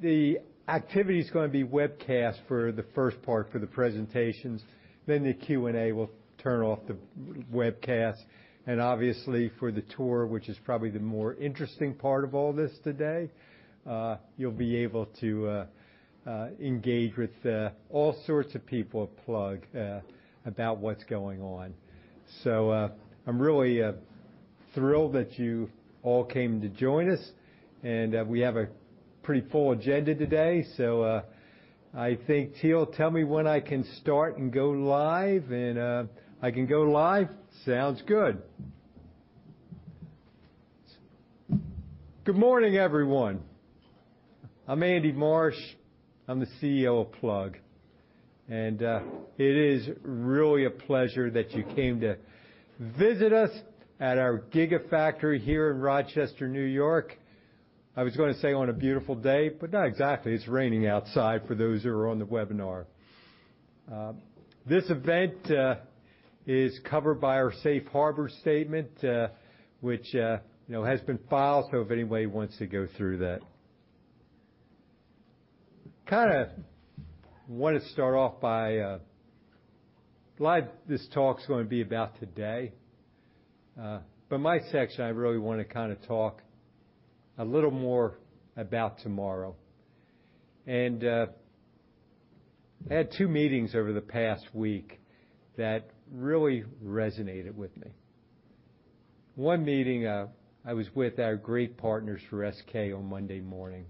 The activity is going to be webcast for the first part for the presentations. Then the Q&A will turn off the webcast. Obviously, for the tour, which is probably the more interesting part of all this today, you'll be able to engage with all sorts of people at Plug about what's going on. I'm really thrilled that you all came to join us, and we have a pretty full agenda today. I think, Teal, tell me when I can start and go live. I can go live? Sounds good. Good morning, everyone. I'm Andy Marsh, I'm the CEO of Plug, and it is really a pleasure that you came to visit us at our Gigafactory here in Rochester, New York. I was gonna say, on a beautiful day, but not exactly. It's raining outside for those who are on the webinar. This event is covered by our Safe Harbor statement, which, you know, has been filed, so if anybody wants to go through that. Kinda wanna start off by a lot of this talk is gonna be about today, but my section, I really wanna kinda talk a little more about tomorrow. I had two meetings over the past week that really resonated with me. One meeting, I was with our great partners from SK on Monday morning,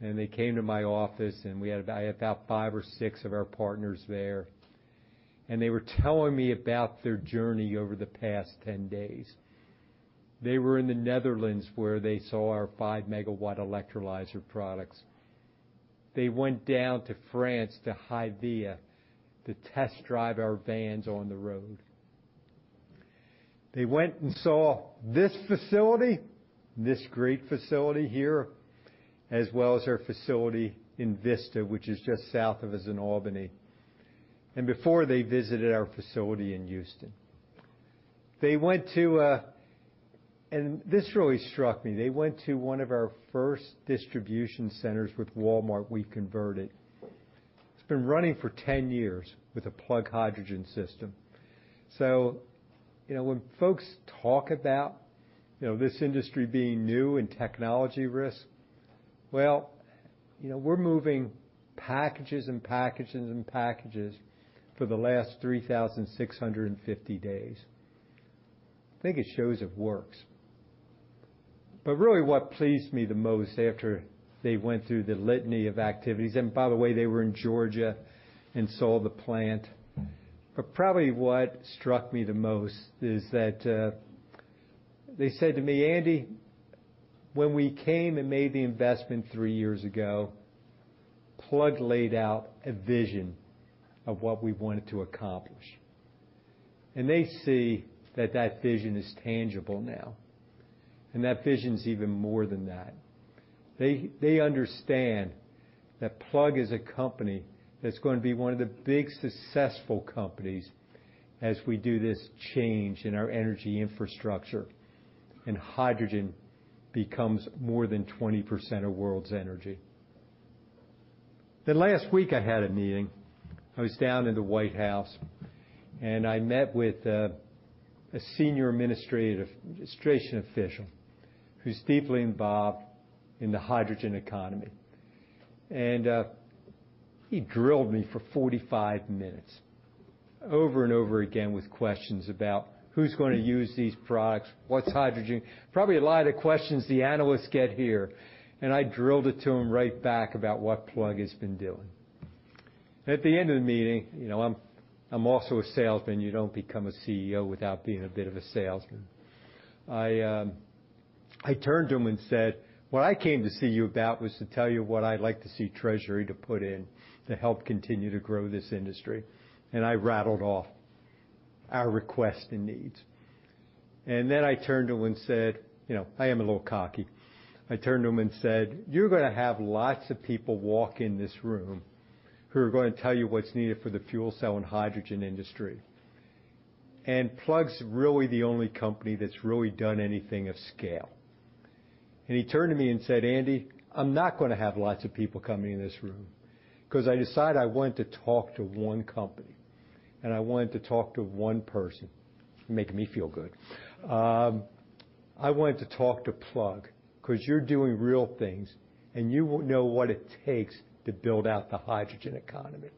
and they came to my office, and we had about, I had about five or six of our partners there, and they were telling me about their journey over the past 10 days. They were in the Netherlands, where they saw our 5 MW Electrolyzer products. They went down to France, to HYVIA, to test drive our vans on the road. They went and saw this facility, this great facility here, as well as our facility in Vista, which is just south of us in Albany. Before, they visited our facility in Houston. They went to, and this really struck me. They went to one of our first distribution centers with Walmart we converted. It's been running for 10 years with a Plug Hydrogen System. You know, when folks talk about, you know, this industry being new and technology risk, well, you know, we're moving packages and packages and packages for the last 3,650 days. I think it shows it works. Really, what pleased me the most after they went through the litany of activities, and by the way, they were in Georgia and saw the plant, but probably what struck me the most is that, they said to me, "Andy, when we came and made the investment three years ago, Plug laid out a vision of what we wanted to accomplish." They see that that vision is tangible now, and that vision is even more than that. They understand that Plug is a company that's going to be one of the big, successful companies as we do this change in our energy infrastructure, and hydrogen becomes more than 20% of world's energy. Last week, I had a meeting. I was down in the White House, and I met with, a senior administration official who's deeply involved in the hydrogen economy. He drilled me for 45 minutes, over and over again with questions about who's going to use these products? What's hydrogen? Probably a lot of the questions the analysts get here, and I drilled it to him right back about what Plug has been doing. At the end of the meeting, you know, I'm also a salesman. You don't become a CEO without being a bit of a salesman. I turned to him and said, "What I came to see you about was to tell you what I'd like to see Treasury to put in to help continue to grow this industry." I rattled off our request and needs. I turned to him and said. You know, I am a little cocky. I turned to him and said, "You're gonna have lots of people walk in this room who are going to tell you what's needed for the fuel cell and hydrogen industry, and Plug's really the only company that's really done anything of scale." He turned to me and said, "Andy, I'm not gonna have lots of people coming in this room, 'cause I decided I wanted to talk to one company, and I wanted to talk to one person." Making me feel good. "I wanted to talk to Plug, 'cause you're doing real things, and you know what it takes to build out the hydrogen economy."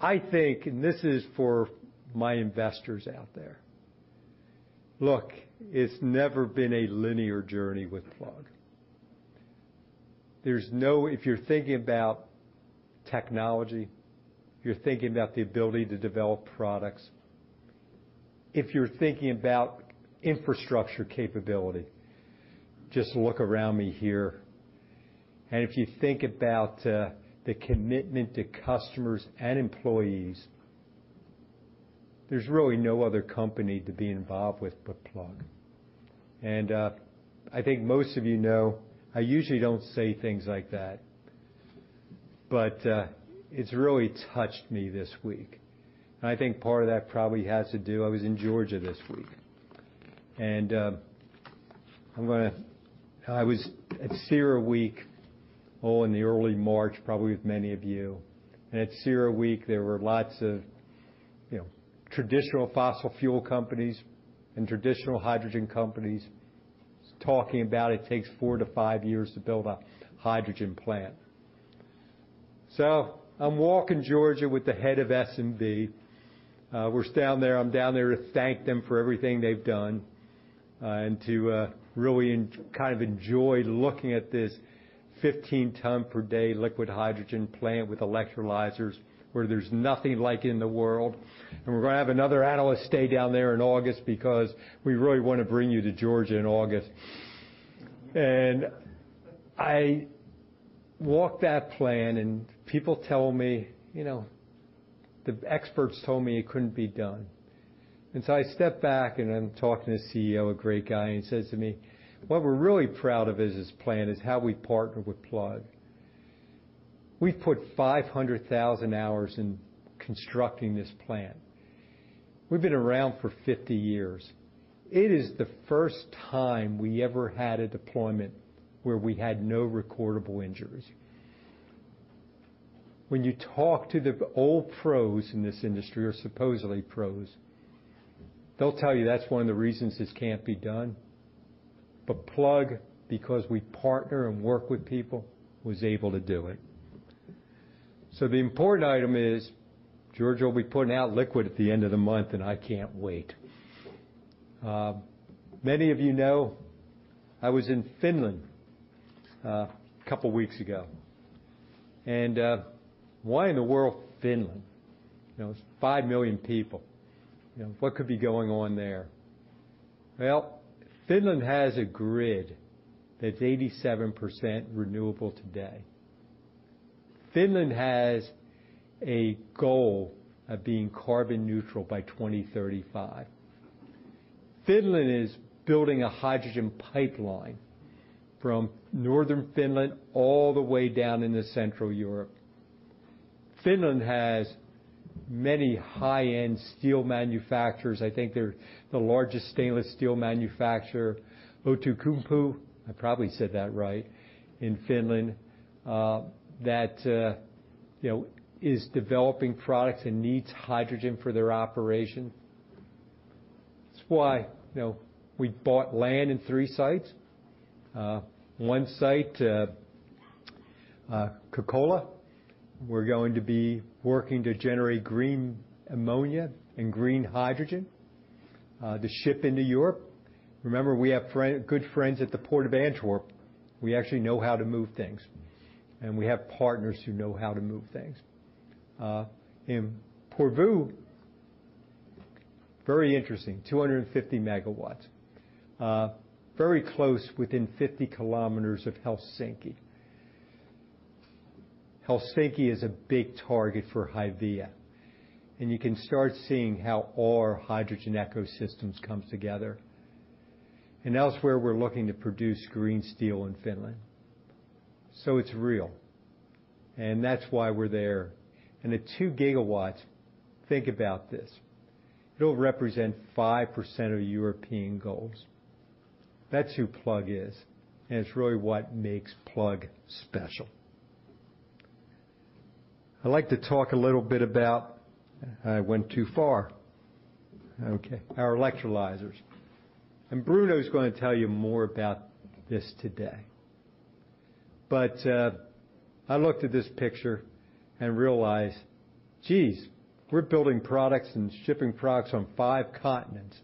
I think, this is for my investors out there: Look, it's never been a linear journey with Plug. There's no. If you're thinking about technology, you're thinking about the ability to develop products, if you're thinking about infrastructure capability, just look around me here. If you think about the commitment to customers and employees, there's really no other company to be involved with but Plug. I think most of you know, I usually don't say things like that. It's really touched me this week, and I think part of that probably has to do. I was in Georgia this week. I was at CERAWeek in the early March, probably with many of you. At CERAWeek, there were lots of, you know, traditional fossil fuel companies and traditional hydrogen companies talking about it takes four to five years to build a hydrogen plant. I'm walking Georgia with the head of S&P. We're down there, I'm down there to thank them for everything they've done, and to kind of enjoy looking at this 15 ton per day liquid hydrogen plant with electrolyzers, where there's nothing like it in the world. We're gonna have another analyst stay down there in August, because we really wanna bring you to Georgia in August. I walked that plant, and people tell me, "You know, the experts told me it couldn't be done." I stepped back, and I'm talking to the CEO, a great guy, and he says to me, "What we're really proud of is this plant, is how we partnered with Plug. We've put 500,000 hours in constructing this plant. We've been around for 50 years. It is the first time we ever had a deployment where we had no recordable injuries." When you talk to the old pros in this industry, or supposedly pros, they'll tell you that's one of the reasons this can't be done. Plug, because we partner and work with people, was able to do it. The important item is, Georgia will be putting out liquid at the end of the month, and I can't wait. Many of you know, I was in Finland a couple weeks ago. Why in the world Finland? You know, it's 5 million people. You know, what could be going on there? Well, Finland has a grid that's 87% renewable today. Finland has a goal of being carbon neutral by 2035. Finland is building a hydrogen pipeline from Northern Finland all the way down into Central Europe. Finland has many high-end steel manufacturers. I think they're the largest stainless steel manufacturer, Outokumpu, I probably said that right, in Finland, that, you know, is developing products and needs hydrogen for their operation. That's why, you know, we bought land in three sites. One site, Kokkola, we're going to be working to generate green ammonia and green hydrogen to ship into Europe. Remember, we have good friends at the Port of Antwerp. We actually know how to move things, and we have partners who know how to move things. In Porvoo, very interesting, 250 megawatts, very close, within 50 km of Helsinki. Helsinki is a big target for HYVIA, you can start seeing how all our hydrogen ecosystems comes together. Elsewhere, we're looking to produce green steel in Finland, it's real, and that's why we're there. At 2 GW, think about this: it'll represent 5% of European goals. That's who Plug is, and it's really what makes Plug special. Okay, our electrolyzers, and Bruno is gonna tell you more about this today. I looked at this picture and realized, geez, we're building products and shipping products on five continents.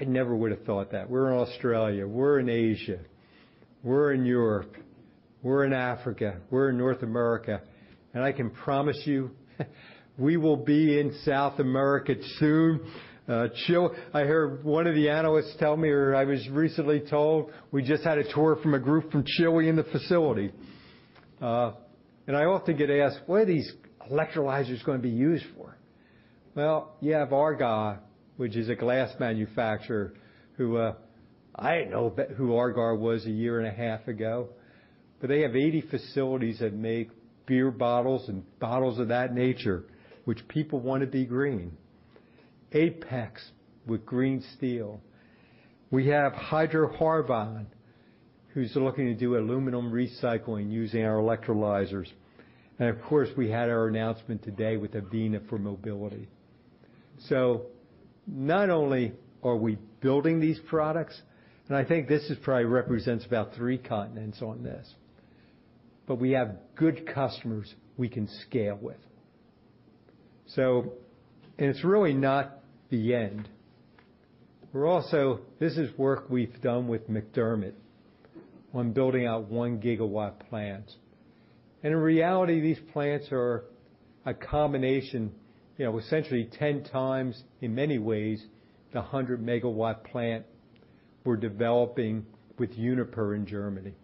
I never would've thought that. We're in Australia, we're in Asia, we're in Europe, we're in Africa, we're in North America, and I can promise you, we will be in South America soon. I heard one of the analysts tell me, or I was recently told, we just had a tour from a group from Chile in the facility. I often get asked, "Where are these electrolyzers gonna be used for?" Well, you have Ardagh, which is a glass manufacturer, who I didn't know about who Ardagh was a year and a half ago, but they have 80 facilities that make beer bottles and bottles of that nature, which people want to be green. APEX, with green steel. We have Hydro Havrand, who's looking to do aluminum recycling using our electrolyzers. Of course, we had our announcement today with Avina for mobility. Not only are we building these products, and I think this is probably represents about three continents on this, but we have good customers we can scale with. It's really not the end. This is work we've done with McDermott on building out one-gigawatt plants. In reality, these plants are a combination, you know, essentially 10x, in many ways, the 100-megawatt plant we're developing with Uniper in Germany,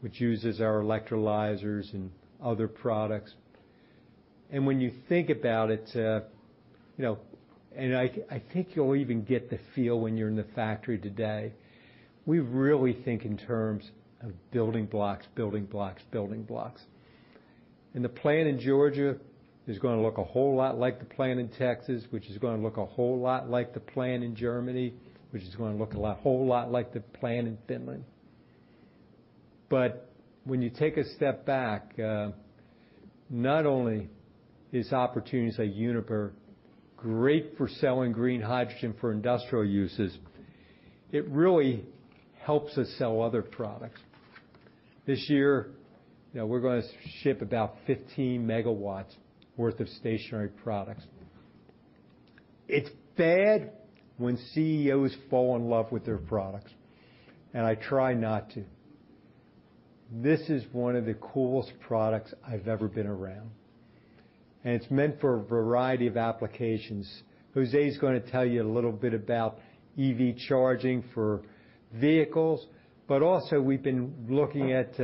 which uses our electrolyzers and other products. When you think about it, you know, and I think you'll even get the feel when you're in the factory today, we really think in terms of building blocks. The plant in Georgia is gonna look a whole lot like the plant in Texas, which is gonna look a whole lot like the plant in Germany, which is gonna look a whole lot like the plant in Finland. When you take a step back, not only is opportunities like Uniper great for selling green hydrogen for industrial uses, it really helps us sell other products. This year, you know, we're gonna ship about 15 MW worth of stationary products. It's bad when CEOs fall in love with their products, and I try not to. This is one of the coolest products I've ever been around, and it's meant for a variety of applications. Jose is gonna tell you a little bit about EV charging for vehicles, but also, we've been looking at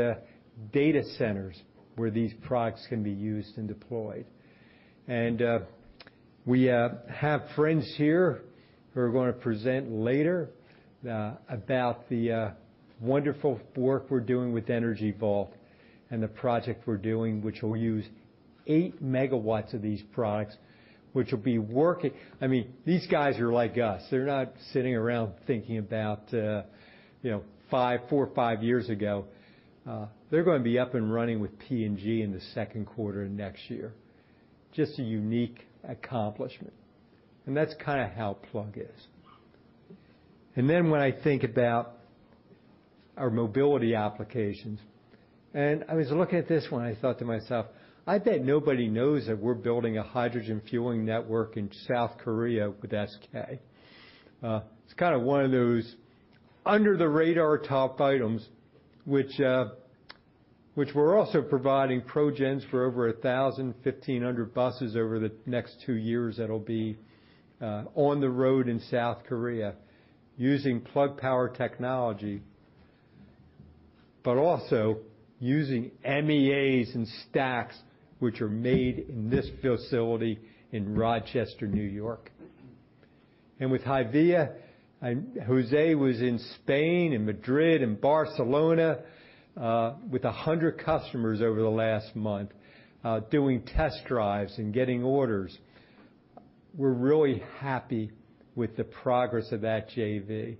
data centers where these products can be used and deployed. We have friends here who are gonna present later about the wonderful work we're doing with Energy Vault and the project we're doing, which will use eight megawatts of these products, which will be working. I mean, these guys are like us. They're not sitting around thinking about, you know, four or five years ago. They're gonna be up and running with P&G in the second quarter of next year. Just a unique accomplishment, that's kinda how Plug is. When I think about our mobility applications, and I was looking at this one, I thought to myself: I bet nobody knows that we're building a hydrogen fueling network in South Korea with SK. It's kinda one of those under-the-radar top items, which we're also providing ProGens for over 1,000, 1,500 buses over the next 2 years, that'll be on the road in South Korea using Plug Power technology, but also using MEAs and stacks, which are made in this facility in Rochester, New York. With HYVIA, and Jose was in Spain and Madrid and Barcelona, with 100 customers over the last month, doing test drives and getting orders. We're really happy with the progress of that JV.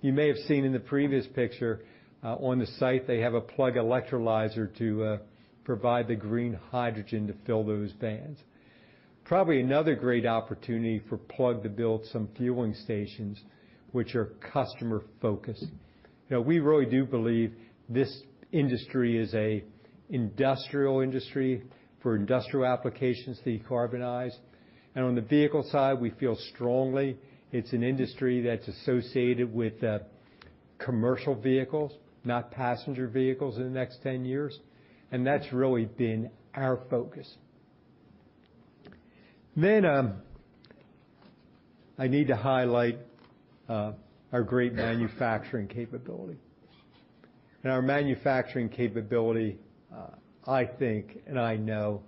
You may have seen in the previous picture, on the site, they have a Plug electrolyzer to provide the green hydrogen to fill those vans. Probably another great opportunity for Plug to build some fueling stations, which are customer-focused. You know, we really do believe this industry is a industrial industry for industrial applications, decarbonize. On the vehicle side, we feel strongly it's an industry that's associated with commercial vehicles, not passenger vehicles, in the next 10 years, and that's really been our focus. I need to highlight our great manufacturing capability. Our manufacturing capability, I think, and I know,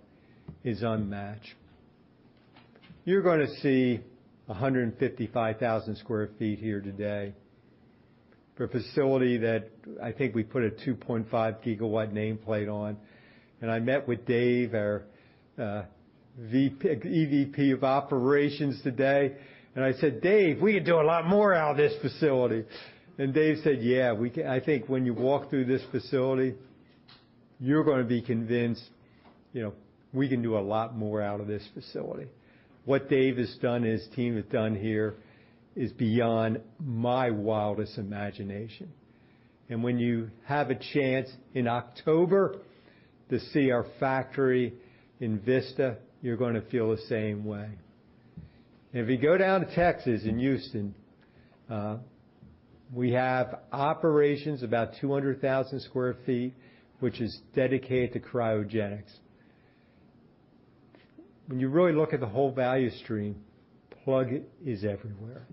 is unmatched. You're gonna see 155,000 sq. ft. here today for a facility that I think we put a 2.5 GW nameplate on. I met with Dave, our EVP of Operations today, and I said, "Dave, we can do a lot more out of this facility." Dave said, "Yeah, we can." I think when you walk through this facility, you're gonna be convinced, you know, we can do a lot more out of this facility. What Dave has done and his team have done here is beyond my wildest imagination. When you have a chance in October to see our factory in Vista, you're gonna feel the same way. If you go down to Texas, in Houston, we have operations, about 200,000 sq. ft., which is dedicated to cryogenics. When you really look at the whole value stream, Plug is everywhere.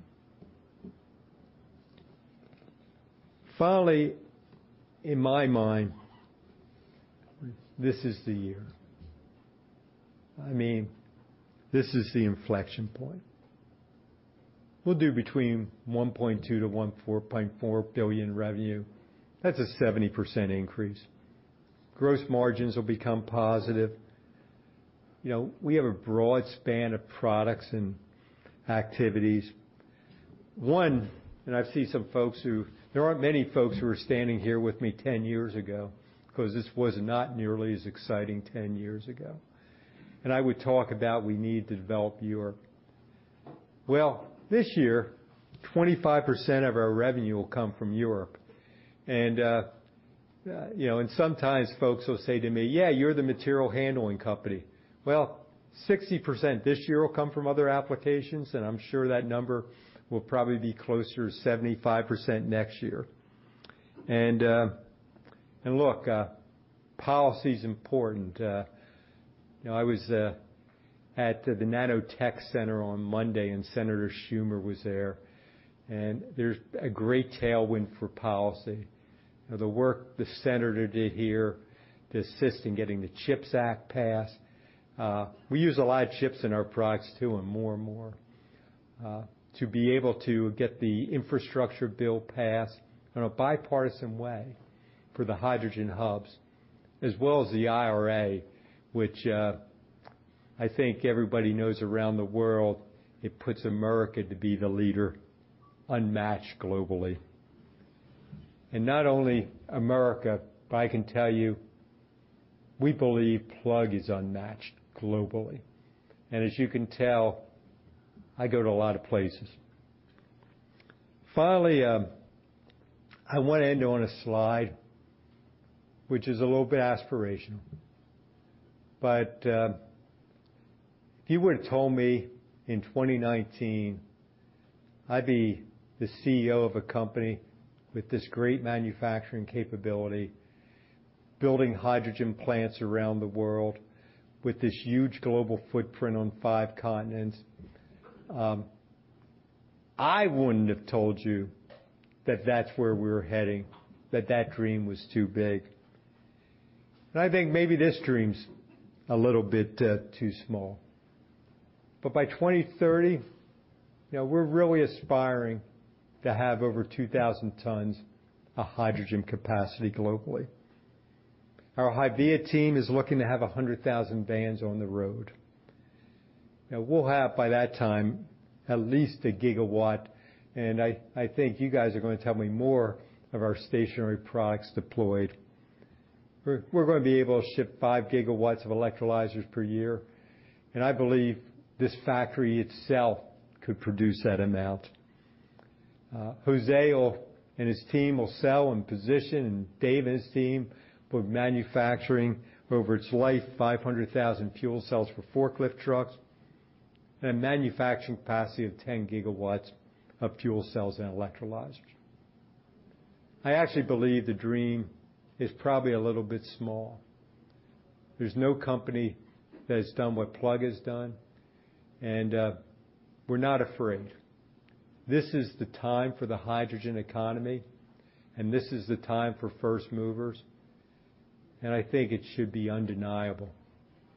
In my mind, this is the year. I mean, this is the inflection point. We'll do between $1.2 billion to $4.4 billion revenue. That's a 70% increase. Gross margins will become positive. You know, we have a broad span of products and activities. One, I see some folks who... There aren't many folks who were standing here with me 10 years ago, 'cause this was not nearly as exciting 10 years ago. I would talk about we need to develop Europe. Well, this year, 25% of our revenue will come from Europe. You know, sometimes folks will say to me, "Yeah, you're the material handling company." Well, 60% this year will come from other applications, and I'm sure that number will probably be closer to 75% next year. Look, policy's important. You know, I was at the Nanotech Center on Monday, and Senator Schumer was there, and there's a great tailwind for policy. You know, the work the Senator did here to assist in getting the CHIPS Act passed, we use a lot of chips in our products, too, and more and more. To be able to get the infrastructure bill passed in a bipartisan way for the hydrogen hubs, as well as the IRA, which, I think everybody knows around the world, it puts America to be the leader, unmatched globally. Not only America, but I can tell you, we believe Plug is unmatched globally, and as you can tell, I go to a lot of places. Finally, I want to end on a slide which is a little bit aspirational, but if you would've told me in 2019 I'd be the CEO of a company with this great manufacturing capability, building hydrogen plants around the world with this huge global footprint on five continents, I wouldn't have told you that that's where we're heading, that that dream was too big. I think maybe this dream's a little bit too small. By 2030, you know, we're really aspiring to have over 2,000 tons of hydrogen capacity globally. Our HYVIA team is looking to have 100,000 vans on the road. Now, we'll have, by that time, at least 1 gigawatt, I think you guys are gonna tell me more of our stationary products deployed. We're gonna be able to ship 5 GW of electrolyzers per year, I believe this factory itself could produce that amount. Jose and his team will sell and position, Dave and his team will be manufacturing over its life, 500,000 fuel cells for forklift trucks and a manufacturing capacity of 10 gigawatts of fuel cells and electrolyzers. I actually believe the dream is probably a little bit small. There's no company that has done what Plug has done, we're not afraid. This is the time for the hydrogen economy, this is the time for first movers, I think it should be undeniable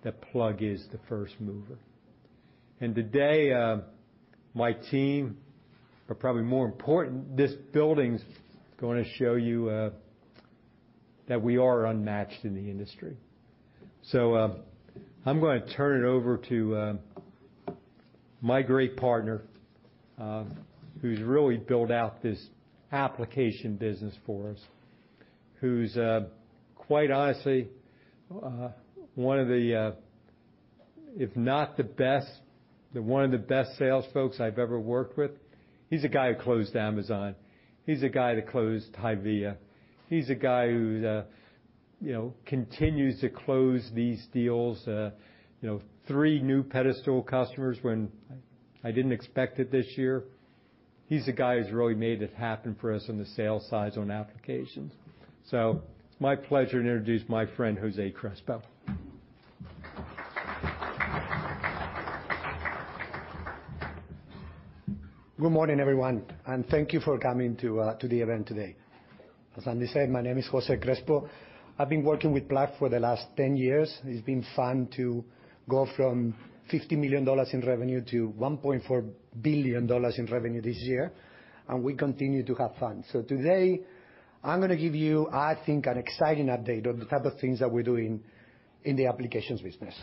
that Plug is the first mover. Today, my team, but probably more important, this building's gonna show you that we are unmatched in the industry. I'm gonna turn it over to my great partner, who's really built out this application business for us, who's quite honestly, one of the, if not the best, then one of the best sales folks I've ever worked with. He's the guy who closed Amazon. He's the guy that closed HYVIA. He's the guy who, you know, continues to close these deals, you know, three new pedestal customers when I didn't expect it this year. He's the guy who's really made it happen for us on the sales side on applications. It's my pleasure to introduce my friend, Jose Crespo. Good morning, everyone, thank you for coming to the event today. As Andy said, my name is Jose Crespo. I've been working with Plug for the last 10 years. It's been fun to go from $50 million in revenue to $1.4 billion in revenue this year, and we continue to have fun. Today, I'm gonna give you, I think, an exciting update on the type of things that we're doing in the applications business.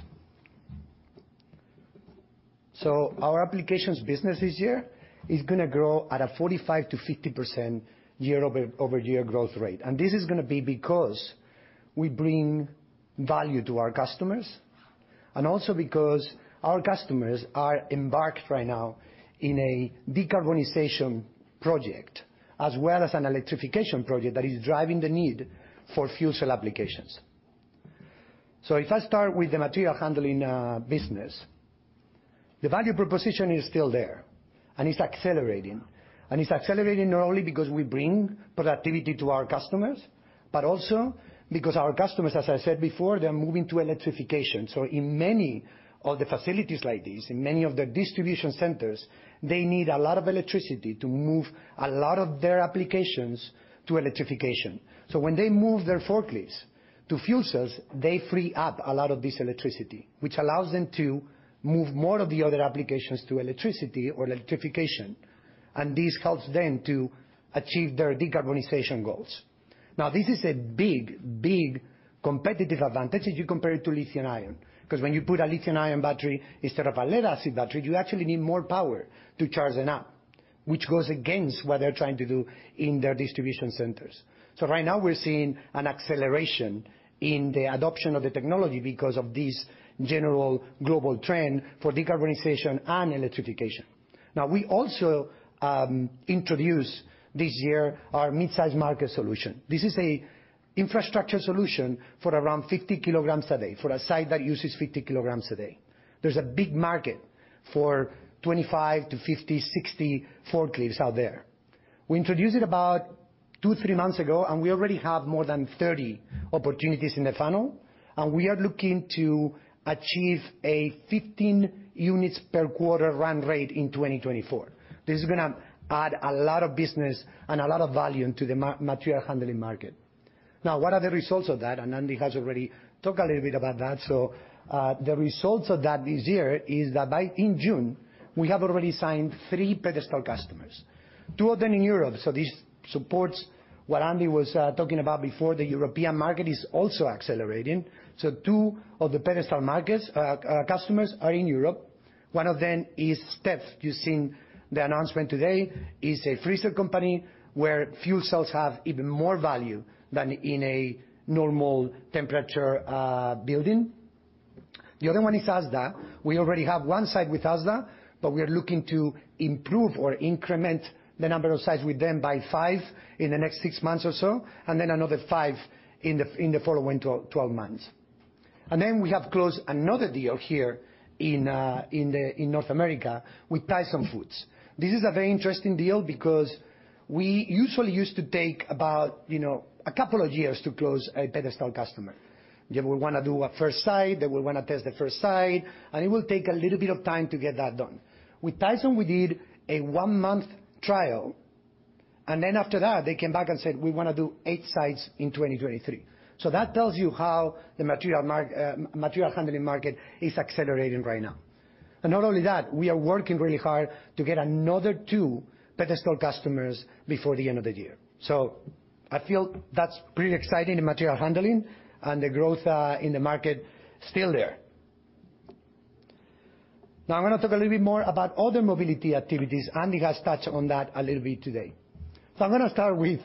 Our applications business this year is gonna grow at a 45%-50% year-over-year growth rate. This is gonna be because we bring value to our customers, and also because our customers are embarked right now in a decarbonization project, as well as an electrification project that is driving the need for fuel cell applications. If I start with the material handling business, the value proposition is still there, and it's accelerating. It's accelerating not only because we bring productivity to our customers, but also because our customers, as I said before, they're moving to electrification. In many of the facilities like this, in many of the distribution centers, they need a lot of electricity to move a lot of their applications to electrification. When they move their forklifts to fuel cells, they free up a lot of this electricity, which allows them to move more of the other applications to electricity or electrification, and this helps them to achieve their decarbonization goals. This is a big, big competitive advantage as you compare it to lithium ion, because when you put a lithium ion battery instead of a lead acid battery, you actually need more power to charge it up, which goes against what they're trying to do in their distribution centers. Right now we're seeing an acceleration in the adoption of the technology because of this general global trend for decarbonization and electrification. We also introduced this year our mid-size market solution. This is a infrastructure solution for around 50 kilograms a day, for a site that uses 50 kilograms a day. There's a big market for 25-50, 60 forklifts out there. We introduced it about two, three months ago, and we already have more than 30 opportunities in the funnel, and we are looking to achieve a 15 units per quarter run rate in 2024. This is gonna add a lot of business and a lot of value into the material handling market. Now, what are the results of that? Andy has already talked a little bit about that. The results of that this year is that in June, we have already signed three pedestal customers, two of them in Europe. This supports what Andy was talking about before. The European market is also accelerating, two of the pedestal markets, customers are in Europe. One of them is STEF. You've seen the announcement today, is a freezer company where fuel cells have even more value than in a normal temperature, building. The other one is ASDA. We already have one site with ASDA, but we are looking to improve or increment the number of sites with them by five in the next six months or so, and then another five in the 12 months. We have closed another deal here in North America with Tyson Foods. This is a very interesting deal because we usually used to take about, you know, two years to close a pedestal customer. They will wanna do a first site, they will wanna test the first site, and it will take a little bit of time to get that done. With Tyson, we did a one-month trial. After that, they came back and said, "We wanna do eight sites in 2023." That tells you how the material handling market is accelerating right now. Not only that, we are working really hard to get another two pedestal customers before the end of the year. I feel that's pretty exciting in material handling and the growth in the market still there. Now, I'm gonna talk a little bit more about other mobility activities, Andy has touched on that a little bit today. I'm gonna start with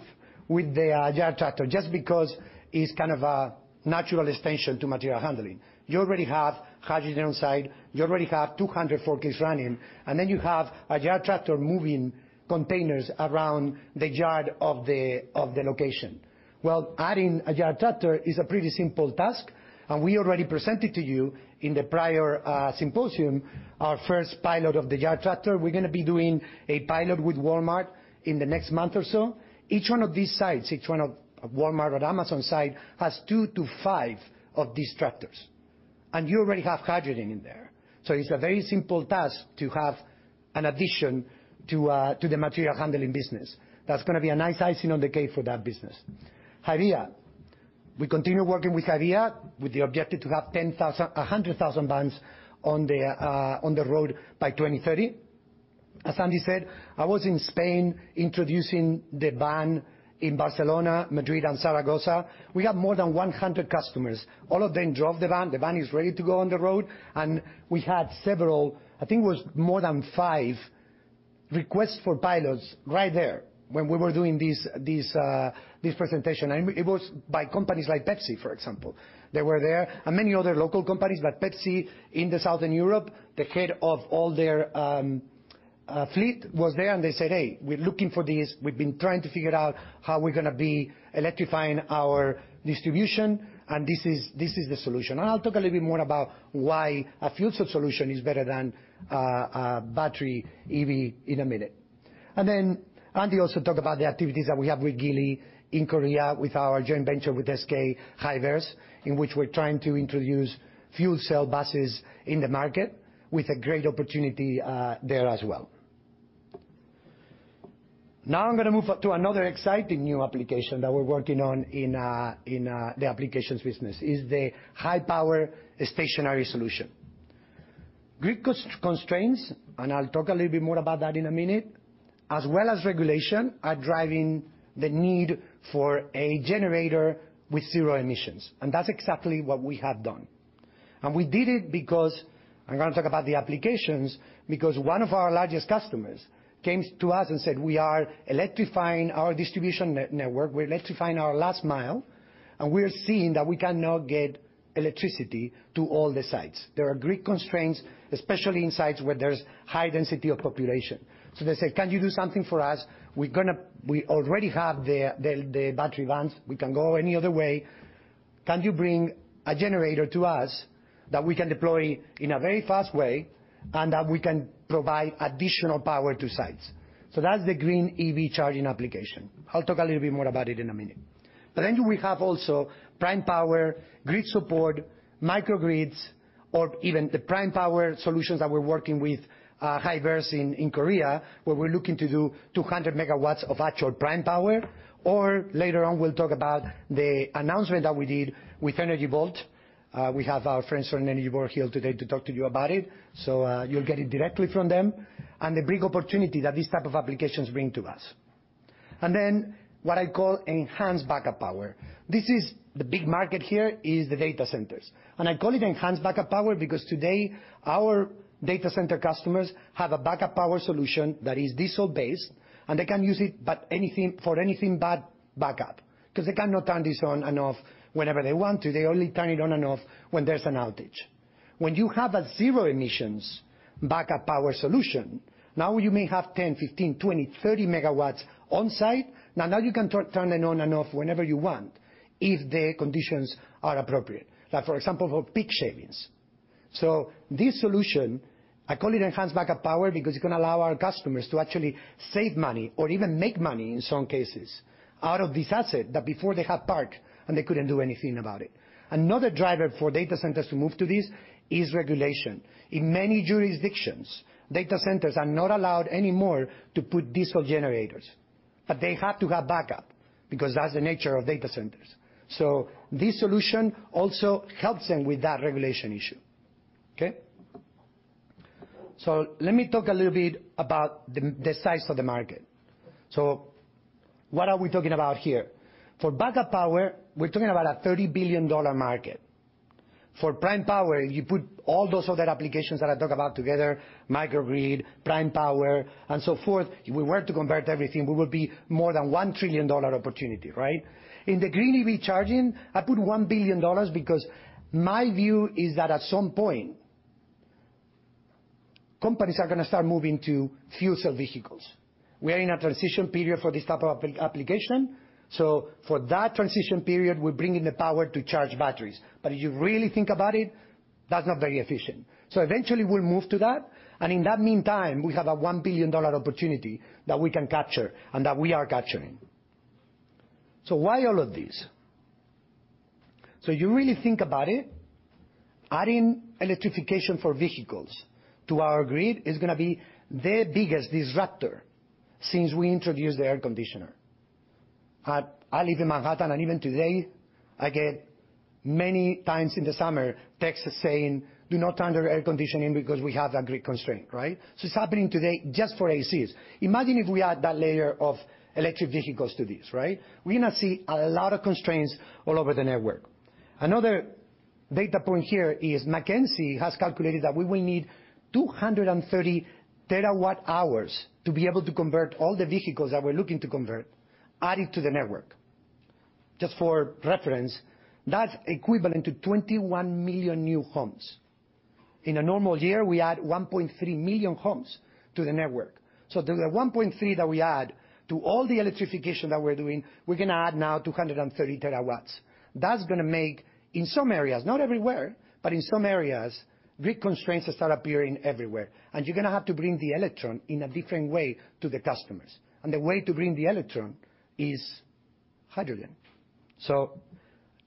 the yard tractor, just because it's kind of a natural extension to material handling. You already have hydrogen on site, you already have 200 forklifts running, and then you have a yard tractor moving containers around the yard of the location. Adding a yard tractor is a pretty simple task, and we already presented to you in the prior symposium, our first pilot of the yard tractor. We're gonna be doing a pilot with Walmart in the next month or so. Each one of these sites, Walmart or Amazon site, has two to five of these tractors, and you already have hydrogen in there. It's a very simple task to have an addition to the material handling business. That's gonna be a nice icing on the cake for that business. HYVIA. We continue working with HYVIA, with the objective to have 100,000 vans on the road by 2030. As Andy said, I was in Spain introducing the van in Barcelona, Madrid, and Zaragoza. We have more than 100 customers. All of them drove the van. The van is ready to go on the road, and we had several, I think it was more than five, requests for pilots right there when we were doing this presentation, and it was by companies like Pepsi, for example. They were there, and many other local companies, but Pepsi in Southern Europe, the head of all their fleet was there, and they said, "Hey, we're looking for this. We've been trying to figure out how we're gonna be electrifying our distribution, and this is the solution. I'll talk a little bit more about why a fuel cell solution is better than a battery EV in a minute. Andy also talked about the activities that we have with Geely in Korea, with our Joint Venture with SK Plug Hyverse, in which we're trying to introduce fuel cell buses in the market, with a great opportunity there as well. Now, I'm gonna move up to another exciting new application that we're working on in the applications business, is the high-power stationary solution. Grid constraints, and I'll talk a little bit more about that in a minute, as well as regulation, are driving the need for a generator with zero emissions, and that's exactly what we have done. We did it because, I'm gonna talk about the applications, because one of our largest customers came to us and said, "We are electrifying our distribution network. We're electrifying our last mile, and we're seeing that we cannot get electricity to all the sites. There are grid constraints, especially in sites where there's high density of population." They said, "Can you do something for us? We already have the battery vans. We can't go any other way. Can you bring a generator to us that we can deploy in a very fast way, and that we can provide additional power to sites?" That's the green EV charging application. I'll talk a little bit more about it in a minute. We have also prime power, grid support, microgrids, or even the prime power solutions that we're working with Hyverse in Korea, where we're looking to do 200 MW of actual prime power. Later on, we'll talk about the announcement that we did with Energy Vault. We have our friends from Energy Vault here today to talk to you about it, so you'll get it directly from them, and the big opportunity that these type of applications bring to us. What I call enhanced backup power. The big market here is the data centers, and I call it enhanced backup power because today, our data center customers have a backup power solution that is diesel-based, and they can use it, for anything but backup, because they cannot turn this on and off whenever they want. They only turn it on and off when there's an outage. When you have a zero emissions backup power solution, now you may have 10, 15, 20, 30 MW on site. Now you can turn it on and off whenever you want, if the conditions are appropriate, like, for example, for peak shavings. This solution, I call it enhanced backup power, because it's gonna allow our customers to actually save money or even make money, in some cases, out of this asset that before they had parked, and they couldn't do anything about it. Another driver for data centers to move to this is regulation. In many jurisdictions, data centers are not allowed anymore to put diesel generators, but they have to have backup because that's the nature of data centers. This solution also helps them with that regulation issue, okay? Let me talk a little bit about the size of the market. What are we talking about here? For backup power, we're talking about a $30 billion market. For prime power, you put all those other applications that I talk about together, microgrid, prime power, and so forth, if we were to convert everything, we would be more than $1 trillion opportunity, right? In the green EV charging, I put $1 billion because my view is that at some point, companies are gonna start moving to fuel cell vehicles. We are in a transition period for this type of application, so for that transition period, we're bringing the power to charge batteries. If you really think about it, that's not very efficient. Eventually, we'll move to that, and in that meantime, we have a $1 billion opportunity that we can capture and that we are capturing. Why all of this? You really think about it, adding electrification for vehicles to our grid is gonna be the biggest disruptor since we introduced the air conditioner. I live in Manhattan, and even today, I get many times in the summer, texts saying, "Do not turn on your air conditioning because we have a grid constraint," right? It's happening today just for ACs. Imagine if we add that layer of electric vehicles to this, right? We're gonna see a lot of constraints all over the network. Another data point here is McKinsey has calculated that we will need 230 terawatt-hours to be able to convert all the vehicles that we're looking to convert, add it to the network. Just for reference, that's equivalent to 21 million new homes. In a normal year, we add 1.3 million homes to the network. To the 1.3 that we add, to all the electrification that we're doing, we're gonna add now 230 terawatts. That's gonna make, in some areas, not everywhere, but in some areas, grid constraints will start appearing everywhere, and you're gonna have to bring the electron in a different way to the customers, and the way to bring the electron is hydrogen.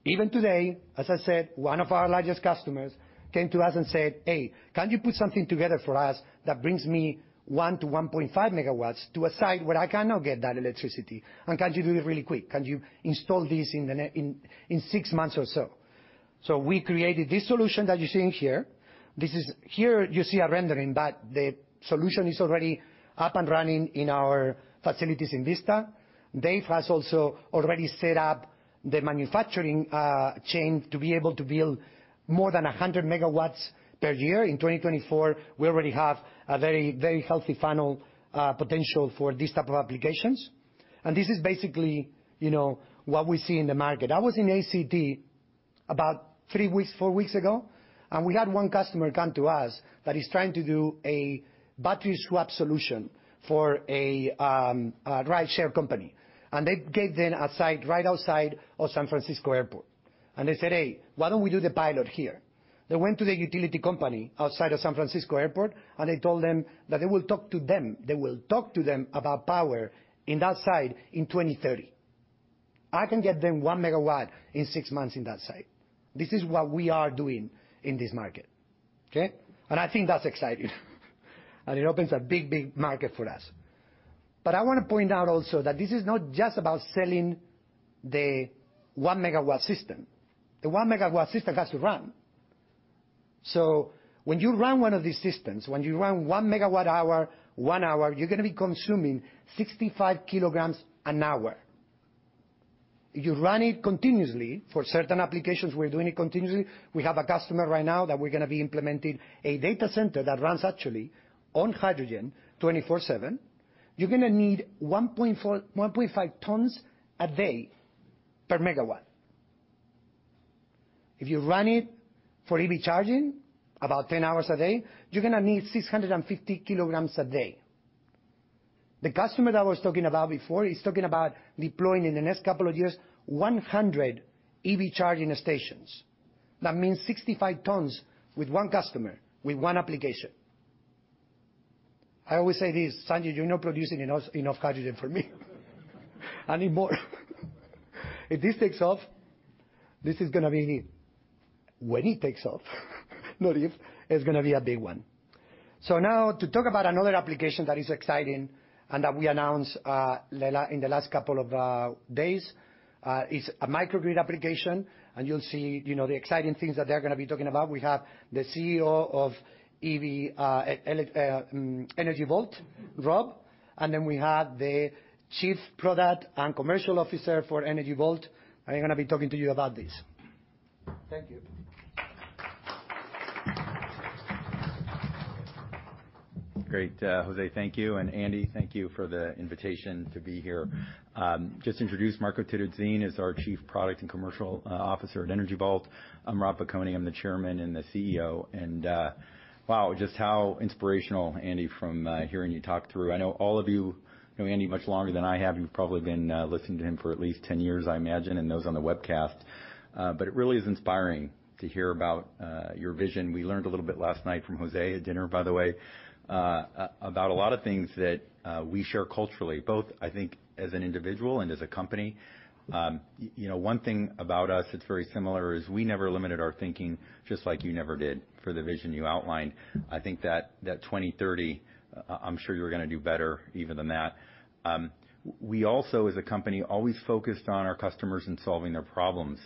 Even today, as I said, one of our largest customers came to us and said, "Hey, can you put something together for us that brings me 1-1.5 MW to a site where I cannot get that electricity, and can you do it really quick? Can you install this in six months or so?" We created this solution that you're seeing here. Here, you see a rendering, but the solution is already up and running in our facilities in Vista. Dave has also already set up the manufacturing chain to be able to build more than 100MW per year. In 2024, we already have a very, very healthy funnel potential for these type of applications. This is basically, you know, what we see in the market. I was in ACT about three weeks, four weeks ago, we had one customer come to us that is trying to do a battery swap solution for a rideshare company. They gave them a site right outside of San Francisco Airport. They said, "Hey, why don't we do the pilot here?" They went to the utility company outside of San Francisco Airport, they told them that they will talk to them, they will talk to them about power in that site in 2030. I can get them one megawatt in six months in that site. This is what we are doing in this market, okay? I think that's exciting, and it opens a big, big market for us. I wanna point out also that this is not just about selling the one-megawatt system. The one-megawatt system has to run. When you run one of these systems, when you run 1 megawatt-hour, 1 hour, you're gonna be consuming 65 kg an hour. If you run it continuously, for certain applications, we're doing it continuously. We have a customer right now that we're gonna be implementing a data center that runs actually on hydrogen 24/7. You're gonna need 1.5 tons a day per megawatt. If you run it for EV charging, about 10 hours a day, you're gonna need 650 kilograms a day. The customer that I was talking about before is talking about deploying, in the next couple of years, 100 EV charging stations. That means 65 tons with 1 customer, with one application. I always say this, "Sanjay, you're not producing enough hydrogen for me. I need more." If this takes off, this is gonna be... when it takes off, not if, it's gonna be a big one. To talk about another application that is exciting and that we announced in the last couple of days, is a microgrid application. You'll see, you know, the exciting things that they're gonna be talking about. We have the CEO of Energy Vault, Rob, and then we have the Chief Product and Commercial Officer for Energy Vault, and they're gonna be talking to you about this. Thank you. Great, Jose, thank you, and Andy, thank you for the invitation to be here. Just introduce Marco Terruzzin is our Chief Product and Commercial Officer at Energy Vault. I'm Robert Piconi, I'm the Chairman and the CEO, and wow, just how inspirational, Andy, from hearing you talk through. I know all of you know Andy much longer than I have. You've probably been listening to him for at least 10 years, I imagine, and those on the webcast. It really is inspiring to hear about your vision. We learned a little bit last night from Jose at dinner, by the way, about a lot of things that we share culturally, both, I think, as an individual and as a company. you know, one thing about us that's very similar is we never limited our thinking, just like you never did for the vision you outlined. I think that 2030, I'm sure you're gonna do better even than that. We also, as a company, always focused on our customers and solving their problems,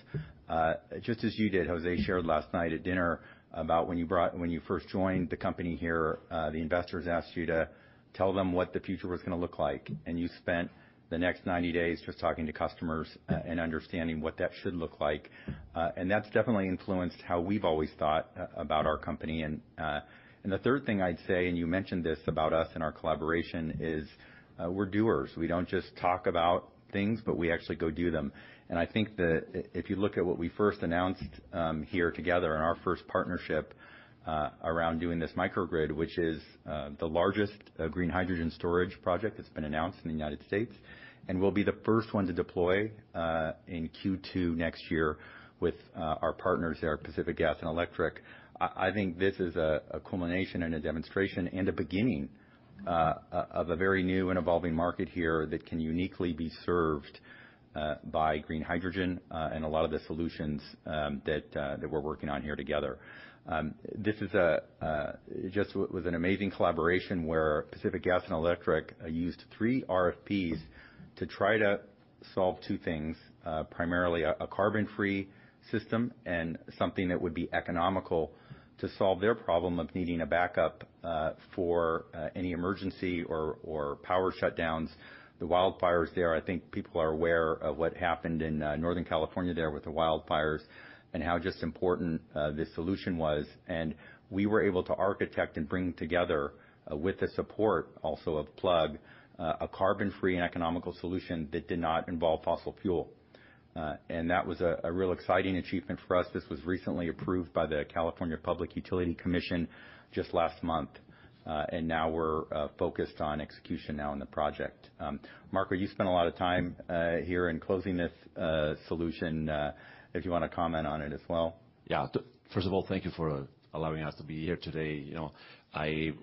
just as you did. Jose shared last night at dinner about when you first joined the company here, the investors asked you to tell them what the future was gonna look like, and you spent the next 90 days just talking to customers, and understanding what that should look like. That's definitely influenced how we've always thought about our company. The third thing I'd say, and you mentioned this about us and our collaboration, is, we're doers. We don't just talk about things, but we actually go do them. I think that if you look at what we first announced here together in our first partnership around doing this microgrid, which is the largest green hydrogen storage project that's been announced in the United States, and will be the first one to deploy in Q2 next year with our partners there, Pacific Gas and Electric. I think this is a culmination and a demonstration, and a beginning of a very new and evolving market here that can uniquely be served by green hydrogen and a lot of the solutions that we're working on here together. It just was an amazing collaboration where Pacific Gas and Electric used three RFPs to try to solve two things, primarily a carbon-free system and something that would be economical to solve their problem of needing a backup, for any emergency or power shutdowns. The wildfires there, I think people are aware of what happened in Northern California there with the wildfires, and how just important this solution was. We were able to architect and bring together, with the support also of Plug, a carbon-free and economical solution that did not involve fossil fuel. That was a real exciting achievement for us. This was recently approved by the California Public Utilities Commission just last month, and now we're focused on execution now on the project. Marco, you spent a lot of time here in closing this solution, if you wanna comment on it as well? First of all, thank you for allowing us to be here today. You know,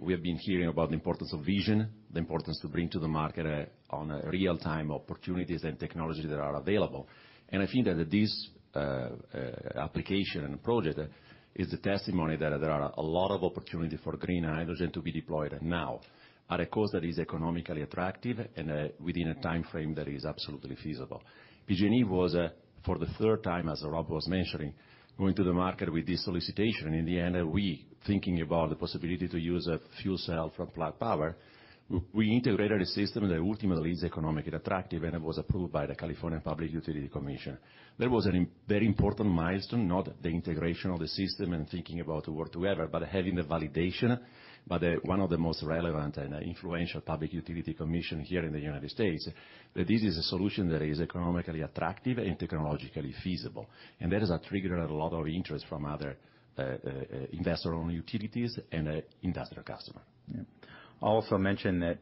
we have been hearing about the importance of vision, the importance to bring to the market on a real-time opportunities and technologies that are available. I think that this application and project is a testimony that there are a lot of opportunity for green hydrogen to be deployed now, at a cost that is economically attractive and within a time frame that is absolutely feasible. PG&E was for the third time, as Rob was mentioning, going to the market with this solicitation. In the end, we, thinking about the possibility to use a fuel cell from Plug Power, we integrated a system that ultimately is economically attractive, and it was approved by the California Public Utilities Commission. That was a very important milestone, not the integration of the system and thinking about it work together, but having the validation by the, one of the most relevant and influential Public Utilities Commission here in the United States, that this is a solution that is economically attractive and technologically feasible. That has triggered a lot of interest from other investor-owned utilities and industrial customer. Yeah. I'll also mention that,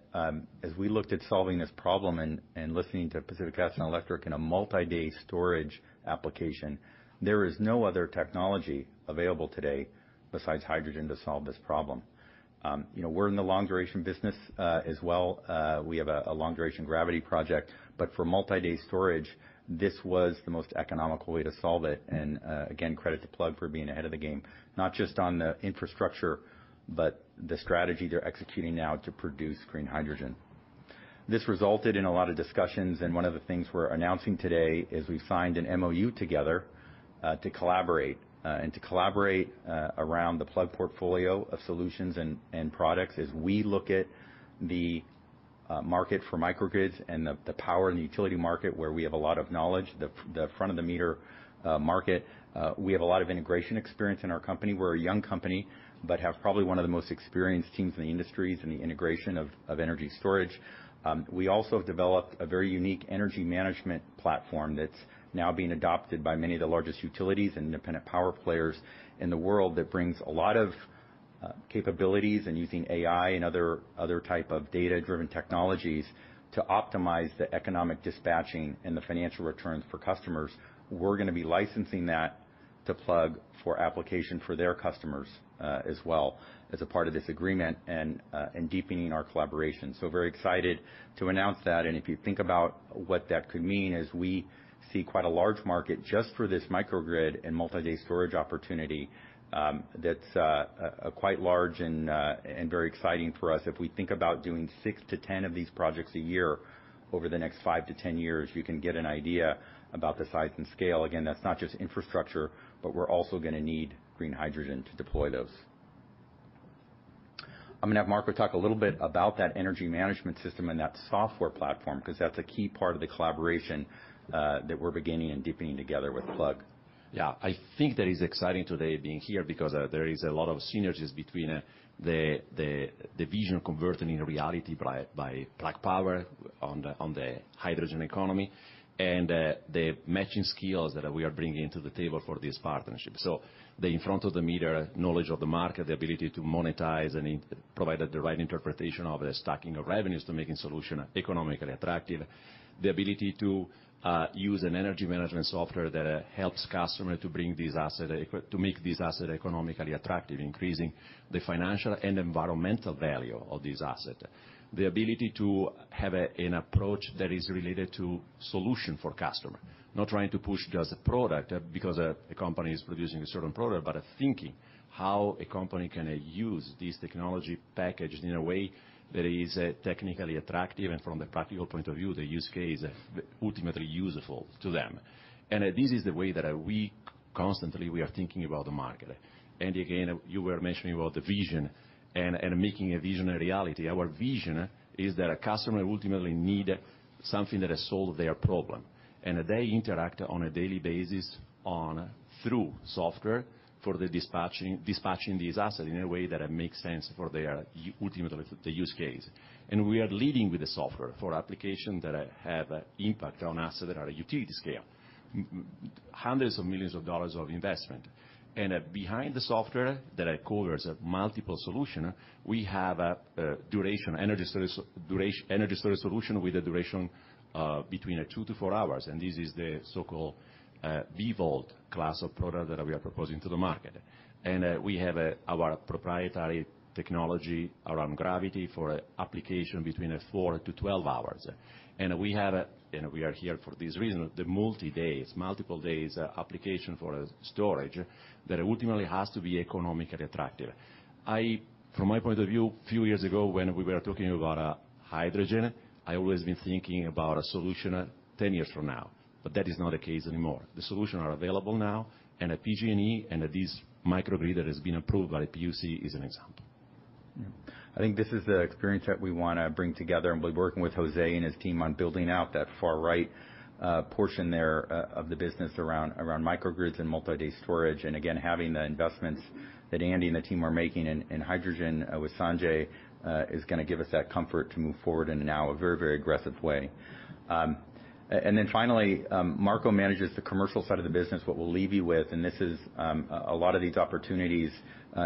as we looked at solving this problem and listening to Pacific Gas and Electric in a multi-day storage application, there is no other technology available today besides hydrogen to solve this problem. You know, we're in the long duration business as well. We have a long duration gravity project. For multi-day storage, this was the most economical way to solve it. Again, credit to Plug for being ahead of the game, not just on the infrastructure, but the strategy they're executing now to produce green hydrogen. This resulted in a lot of discussions, one of the things we're announcing today is we've signed an MOU together, to collaborate, and to collaborate, around the Plug portfolio of solutions and products as we look at the market for microgrids and the power and the utility market, where we have a lot of knowledge, the front of the meter, market. We have a lot of integration experience in our company. We're a young company, but have probably one of the most experienced teams in the industry in the integration of energy storage. We also have developed a very unique energy management platform that's now being adopted by many of the largest utilities and independent power players in the world, that brings a lot of capabilities in using AI and other type of data-driven technologies to optimize the economic dispatching and the financial returns for customers. We're gonna be licensing that to Plug for application for their customers as well, as a part of this agreement and deepening our collaboration. Very excited to announce that, and if you think about what that could mean, is we see quite a large market just for this microgrid and multi-day storage opportunity, that's quite large and very exciting for us. If we think about doing six to 10 of these projects a year over the next five to 10 years, you can get an idea about the size and scale. Again, that's not just infrastructure, but we're also gonna need green hydrogen to deploy those. I'm gonna have Marco talk a little bit about that energy management system and that software platform, because that's a key part of the collaboration that we're beginning and deepening together with Plug. Yeah, I think that is exciting today being here because there is a lot of synergies between the vision converted into reality by Plug Power on the hydrogen economy, and the matching skills that we are bringing to the table for this partnership. The in front of the meter, knowledge of the market, the ability to monetize and provide the right interpretation of the stacking of revenues to making solution economically attractive. The ability to use an energy management software that helps customer to make this asset economically attractive, increasing the financial and environmental value of this asset. The ability to have an approach that is related to solution for customer, not trying to push just a product, because the company is producing a certain product, but thinking how a company can use this technology package in a way that is technically attractive, and from the practical point of view, the use case is ultimately useful to them. This is the way that we constantly are thinking about the market. Again, you were mentioning about the vision and making a vision a reality. Our vision is that a customer ultimately need something that solve their problem, and they interact on a daily basis through software for the dispatching this asset in a way that it makes sense for their ultimately, the use case. We are leading with the software for application that have impact on asset that are at utility scale. Hundreds of millions of dollars of investment. Behind the software that covers a multiple solution, we have duration, energy storage solution with a duration between two to four hours, and this is the so-called B-Vault class of product that we are proposing to the market. We have our proprietary technology around gravity for application between four to 12 hours. We have, and we are here for this reason, the multi-days, multiple days application for a storage that ultimately has to be economically attractive. From my point of view, a few years ago, when we were talking about hydrogen, I always been thinking about a solution 10 years from now, but that is not the case anymore. The solution are available now, and at PG&E and this microgrid that has been approved by the PUC is an example. I think this is the experience that we want to bring together and be working with Jose and his team on building out that far right portion there of the business around microgrids and multi-day storage. Having the investments that Andy and the team are making in hydrogen with Sanjay is going to give us that comfort to move forward in now, a very, very aggressive way. Finally, Marco manages the commercial side of the business. What we'll leave you with, and this is a lot of these opportunities,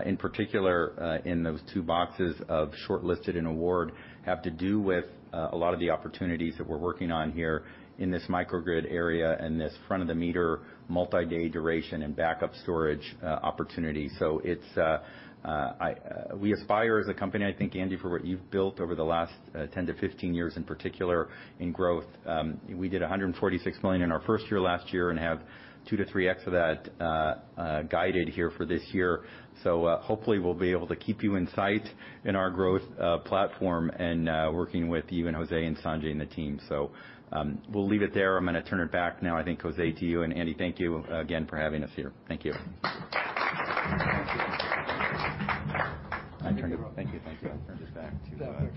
in particular, in those two boxes of shortlisted and award, have to do with a lot of the opportunities that we're working on here in this microgrid area and this front-of-the-meter, multi-day duration and backup storage opportunity. We aspire as a company, I think, Andy, for what you've built over the last 10-15 years, in particular, in growth. We did $146 million in our first year last year and have 2-3x of that guided here for this year. Hopefully, we'll be able to keep you in sight in our growth platform and working with you and Jose and Sanjay and the team. We'll leave it there. I'm going to turn it back now, I think, Jose, to you. Andy, thank you again for having us here. Thank you. I turn it around. Thank you. Thank you. I'll turn this back to. That's okay.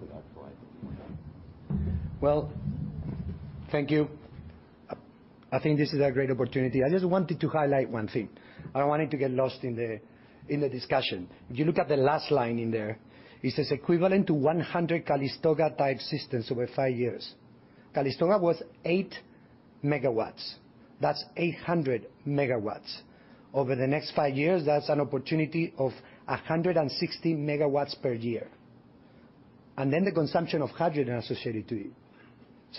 With that slide. Well, thank you. I think this is a great opportunity. I just wanted to highlight one thing. I don't want it to get lost in the discussion. If you look at the last line in there, it says, "Equivalent to 100 Calistoga-type systems over five years." Calistoga was 8 MW. That's 800 MW. Over the next five years, that's an opportunity of 160 megawatts per year, and then the consumption of hydrogen associated to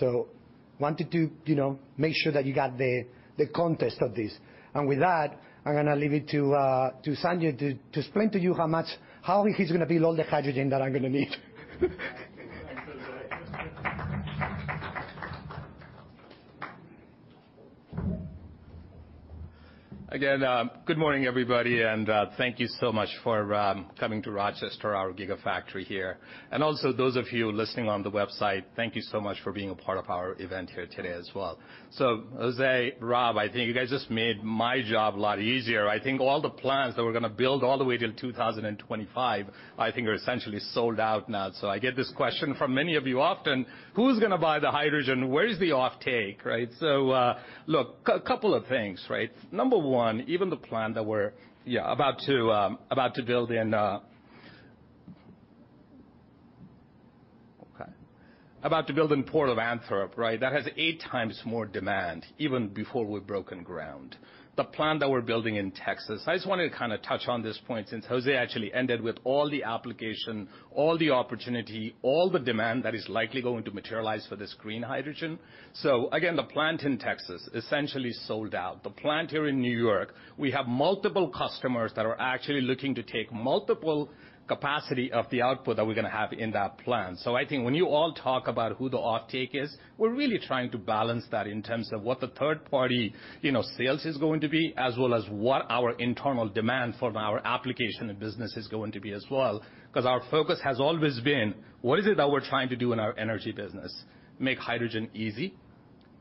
it. Wanted to, you know, make sure that you got the context of this. With that, I'm going to leave it to Sanjay to explain to you how he's going to build all the hydrogen that I'm going to need. Again, good morning, everybody, thank you so much for coming to Rochester, our Gigafactory here. Also those of you listening on the website, thank you so much for being a part of our event here today as well. Jose, Rob, I think you guys just made my job a lot easier. I think all the plans that we're going to build all the way till 2025, I think are essentially sold out now. I get this question from many of you often: Who's going to buy the hydrogen? Where is the offtake, right? Look, couple of things, right? Number one, even the plan that we're about to build in Port of Antwerp, right? That has 8x more demand, even before we've broken ground. The plant that we're building in Texas, I just wanted to kind of touch on this point since Jose actually ended with all the application, all the opportunity, all the demand that is likely going to materialize for this green hydrogen. Again, the plant in Texas, essentially sold out. The plant here in New York, we have multiple customers that are actually looking to take multiple capacity of the output that we're going to have in that plant. I think when you all talk about who the offtake is, we're really trying to balance that in terms of what the third party, you know, sales is going to be, as well as what our internal demand from our application and business is going to be as well. Our focus has always been, what is it that we're trying to do in our energy business? Make hydrogen easy.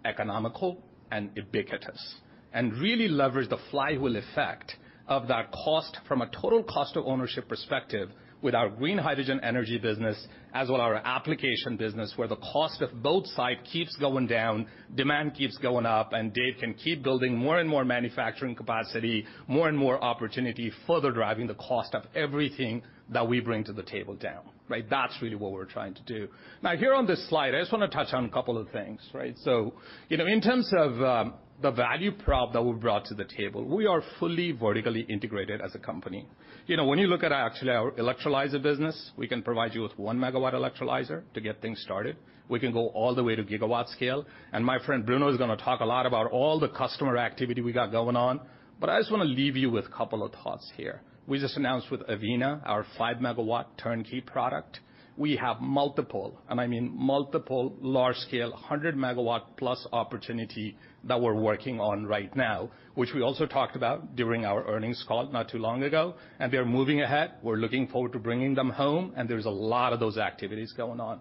Economical and ubiquitous. Really leverage the flywheel effect of that cost from a total cost of ownership perspective with our green hydrogen energy business, as well our application business, where the cost of both side keeps going down, demand keeps going up, and Dave can keep building more and more manufacturing capacity, more and more opportunity, further driving the cost of everything that we bring to the table down, right? That's really what we're trying to do. Here on this slide, I just wanna touch on a couple of things, right? You know, in terms of the value prop that we've brought to the table, we are fully vertically integrated as a company. You know, when you look at actually our electrolyzer business, we can provide you with 1-megawatt electrolyzer to get things started. We can go all the way to gigawatt scale, my friend Bruno is gonna talk a lot about all the customer activity we got going on. I just wanna leave you with a couple of thoughts here. We just announced with Avina, our 5-megawatt turnkey product. We have multiple, I mean multiple, large-scale, 100-megawatt-plus opportunity that we're working on right now, which we also talked about during our earnings call not too long ago, we are moving ahead. We're looking forward to bringing them home, there's a lot of those activities going on.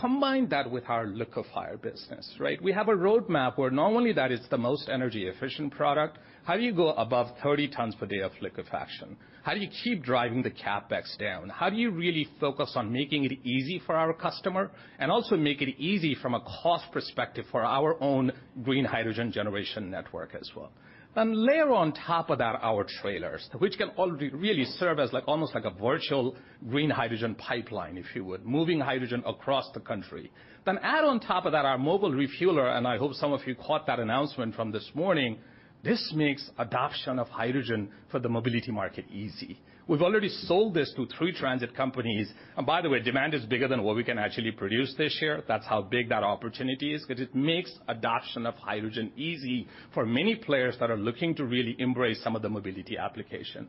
Combine that with our liquefier business, right? We have a roadmap where not only that it's the most energy-efficient product, how do you go above 30 tons per day of liquefaction? How do you keep driving the CapEx down? How do you really focus on making it easy for our customer, and also make it easy from a cost perspective for our own green hydrogen generation network as well. Layer on top of that our trailers, which can all be really serve as like almost like a virtual green hydrogen pipeline, if you would, moving hydrogen across the country. Add on top of that, our mobile refueler, and I hope some of you caught that announcement from this morning. This makes adoption of hydrogen for the mobility market easy. We've already sold this to three transit companies, and by the way, demand is bigger than what we can actually produce this year. That's how big that opportunity is, because it makes adoption of hydrogen easy for many players that are looking to really embrace some of the mobility application.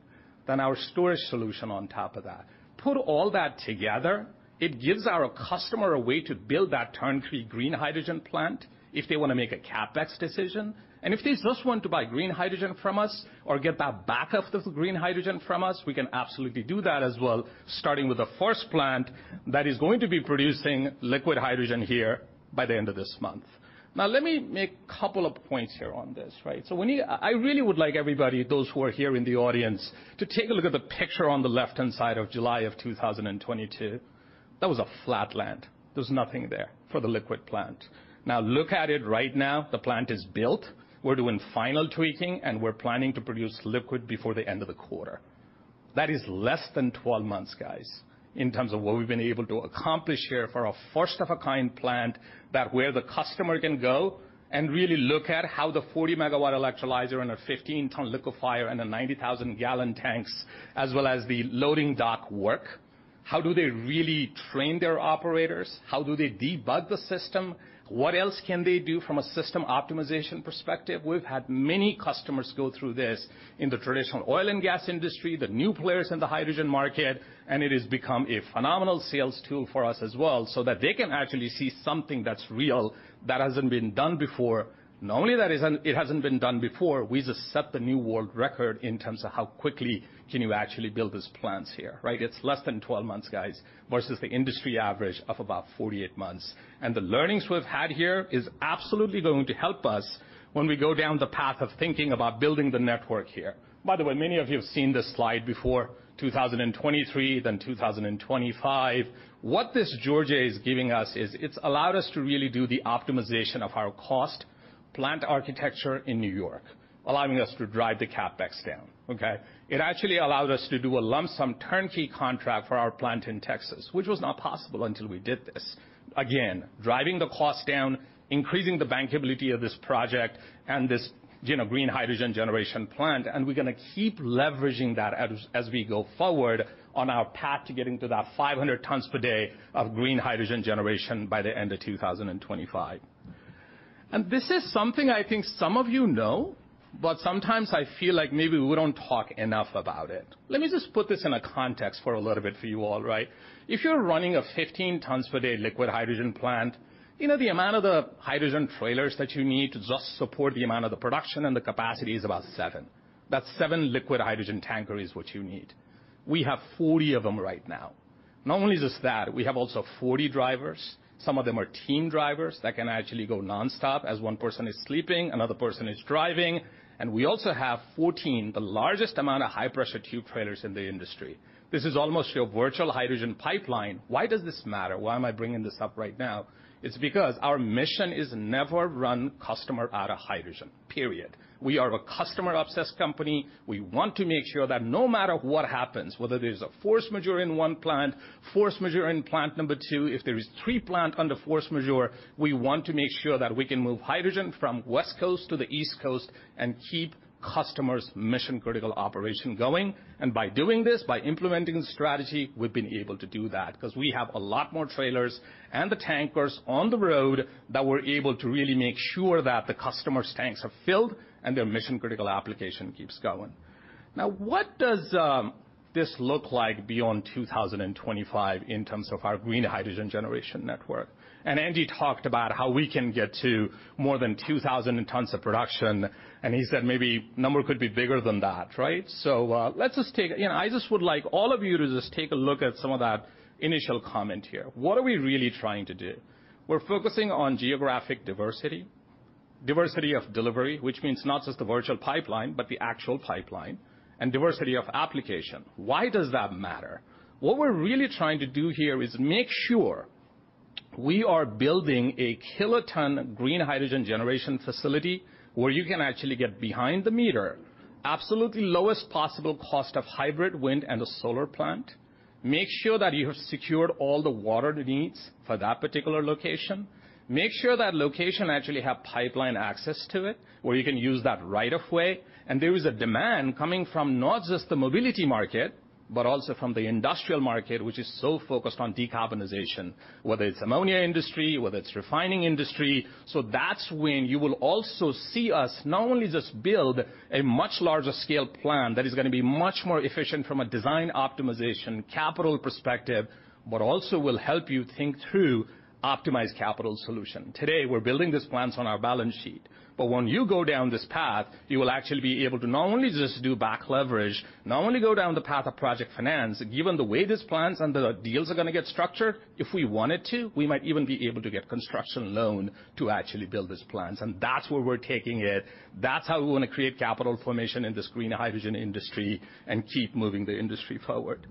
Our storage solution on top of that. Put all that together, it gives our customer a way to build that turnkey green hydrogen plant if they wanna make a CapEx decision. If they just want to buy green hydrogen from us or get that backup of the green hydrogen from us, we can absolutely do that as well, starting with the first plant that is going to be producing liquid hydrogen here by the end of this month. Let me make a couple of points here on this, right? I really would like everybody, those who are here in the audience, to take a look at the picture on the left-hand side of July of 2022. That was a flat land. There's nothing there for the liquid plant. Look at it right now, the plant is built. We're doing final tweaking, and we're planning to produce liquid before the end of the quarter. That is less than 12 months, guys, in terms of what we've been able to accomplish here for a first-of-a-kind plant, that where the customer can go and really look at how the 40-megawatt electrolyzer and a 15-ton liquefier and a 90,000-gallon tanks, as well as the loading dock work. How do they really train their operators? How do they debug the system? What else can they do from a system optimization perspective? We've had many customers go through this in the traditional oil and gas industry, the new players in the hydrogen market, and it has become a phenomenal sales tool for us as well, so that they can actually see something that's real, that hasn't been done before. Not only that it hasn't been done before, we just set the new world record in terms of how quickly can you actually build these plants here, right? It's less than 12 months, guys, versus the industry average of about 48 months. The learnings we've had here is absolutely going to help us when we go down the path of thinking about building the network here. Many of you have seen this slide before, 2023, then 2025. What this Georgia is giving us, it's allowed us to really do the optimization of our cost, plant architecture in New York, allowing us to drive the CapEx down, okay? It actually allowed us to do a lump sum turnkey contract for our plant in Texas, which was not possible until we did this. Again, driving the cost down, increasing the bankability of this project and this, you know, green hydrogen generation plant, and we're gonna keep leveraging that as we go forward on our path to getting to that 500 tons per day of green hydrogen generation by the end of 2025. This is something I think some of you know, but sometimes I feel like maybe we don't talk enough about it. Let me just put this in a context for a little bit for you all, right? If you're running a 15 tons per day liquid hydrogen plant, you know, the amount of the hydrogen trailers that you need to just support the amount of the production and the capacity is about seven. That's seven liquid hydrogen tanker is what you need. We have 40 of them right now. Not only just that, we have also 40 drivers. Some of them are team drivers that can actually go nonstop as 1 person is sleeping, another person is driving. We also have 14, the largest amount of high-pressure tube trailers in the industry. This is almost your virtual hydrogen pipeline. Why does this matter? Why am I bringing this up right now? It's because our mission is never run customer out of hydrogen, period. We are a customer-obsessed company. We want to make sure that no matter what happens, whether there's a force majeure in one plant, force majeure in plant number two, if there is three plant under force majeure, we want to make sure that we can move hydrogen from West Coast to the East Coast and keep customers' mission-critical operation going. By doing this, by implementing the strategy, we've been able to do that, because we have a lot more trailers and the tankers on the road, that we're able to really make sure that the customer's tanks are filled and their mission-critical application keeps going. Now, what does this look like beyond 2025 in terms of our green hydrogen generation network? Andy talked about how we can get to more than 2,000 tons of production, and he said maybe number could be bigger than that, right? You know, I just would like all of you to just take a look at some of that initial comment here. What are we really trying to do? We're focusing on geographic diversity of delivery, which means not just the virtual pipeline, but the actual pipeline, and diversity of application. Why does that matter? What we're really trying to do here is make sure we are building a kiloton green hydrogen generation facility, where you can actually get behind the meter, absolutely lowest possible cost of hybrid wind and a solar plant. Make sure that you have secured all the water it needs for that particular location. Make sure that location actually have pipeline access to it, where you can use that right of way. There is a demand coming from not just the mobility market, but also from the industrial market, which is so focused on decarbonization, whether it's ammonia industry, whether it's refining industry. That's when you will also see us not only just build a much larger scale plant that is gonna be much more efficient from a design optimization, capital perspective, but also will help you think through optimized capital solution. Today, we're building these plants on our balance sheet, but when you go down this path, you will actually be able to not only just do back leverage, not only go down the path of project finance, given the way these plans and the deals are going to get structured, if we wanted to, we might even be able to get construction loan to actually build these plants, and that's where we're taking it. That's how we want to create capital formation in this green hydrogen industry and keep moving the industry forward.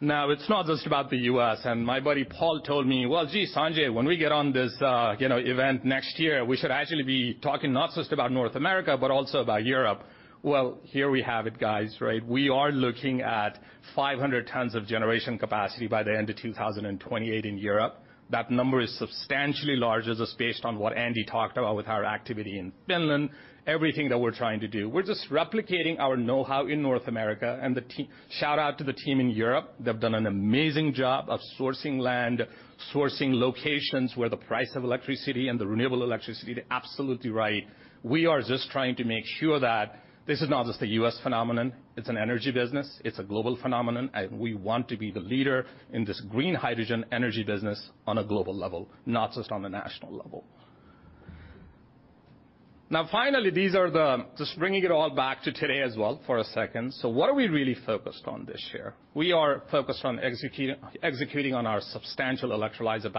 It's not just about the U.S., and my buddy Paul told me, "Gee, Sanjay, when we get on this, you know, event next year, we should actually be talking not just about North America, but also about Europe." Here we have it, guys, right? We are looking at 500 tons of generation capacity by the end of 2028 in Europe. That number is substantially larger, just based on what Andy talked about with our activity in Finland, everything that we're trying to do. We're just replicating our know-how in North America and shout out to the team in Europe. They've done an amazing job of sourcing land, sourcing locations where the price of electricity and the renewable electricity is absolutely right. We are just trying to make sure that this is not just a U.S. phenomenon, it's an energy business, it's a global phenomenon, and we want to be the leader in this green hydrogen energy business on a global level, not just on a national level. Now, finally, these are just bringing it all back to today as well for a second. What are we really focused on this year? We are focused on executing on our substantial electrolyzer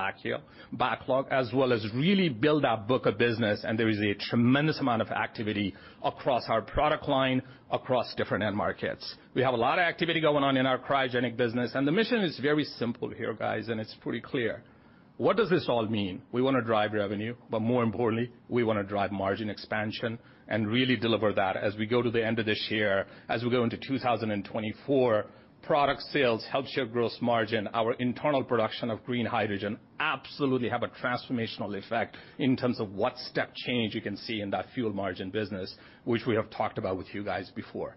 backlog, as well as really build our book of business. There is a tremendous amount of activity across our product line, across different end markets. We have a lot of activity going on in our cryogenic business, and the mission is very simple here, guys, and it's pretty clear. What does this all mean? We wanna drive revenue, but more importantly, we wanna drive margin expansion and really deliver that as we go to the end of this year, as we go into 2024. Product sales, help share gross margin, our internal production of green hydrogen absolutely have a transformational effect in terms of what step change you can see in that fuel margin business, which we have talked about with you guys before.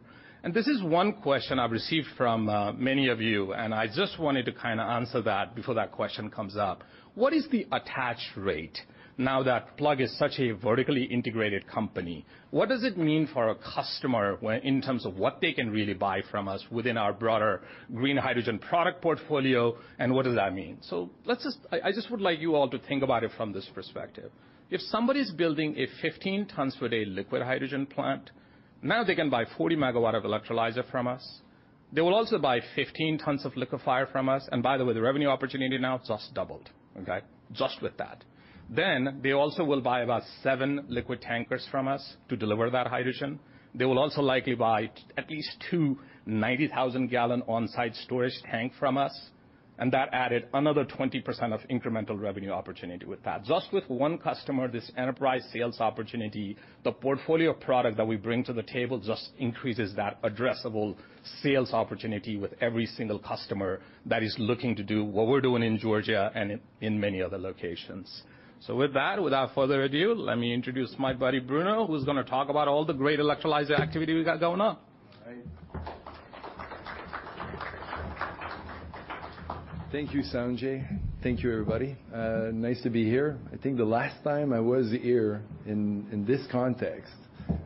This is one question I've received from many of you, and I just wanted to kinda answer that before that question comes up. What is the attach rate now that Plug is such a vertically integrated company? What does it mean for a customer in terms of what they can really buy from us within our broader green hydrogen product portfolio, and what does that mean? I just would like you all to think about it from this perspective. If somebody's building a 15 tons per day liquid hydrogen plant, now they can buy 40 MW of electrolyzer from us. They will also buy 15 tons of liquefier from us, and by the way, the revenue opportunity now just doubled, okay. Just with that. They also will buy about seven liquid tankers from us to deliver that hydrogen. They will also likely buy at least 2 90,000 gallon on-site storage tank from us. That added another 20% of incremental revenue opportunity with that. Just with one customer, this enterprise sales opportunity, the portfolio of product that we bring to the table just increases that addressable sales opportunity with every single customer that is looking to do what we're doing in Georgia and in many other locations. With that, without further ado, let me introduce my buddy, Bruno, who's gonna talk about all the great electrolyzer activity we got going on. Thank you, Sanjay. Thank you, everybody. Nice to be here. I think the last time I was here in this context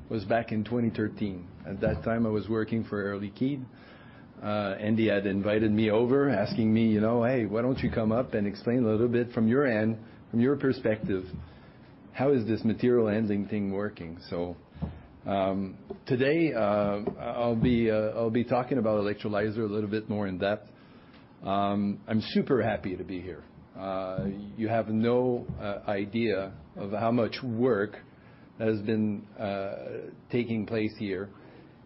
was back in 2013. At that time, I was working for Air Liquide. Andy had invited me over, asking me, you know, "Hey, why don't you come up and explain a little bit from your end, from your perspective, how is this material ending thing working?" Today, I'll be talking about electrolyzer a little bit more in depth. I'm super happy to be here. You have no idea of how much work has been taking place here,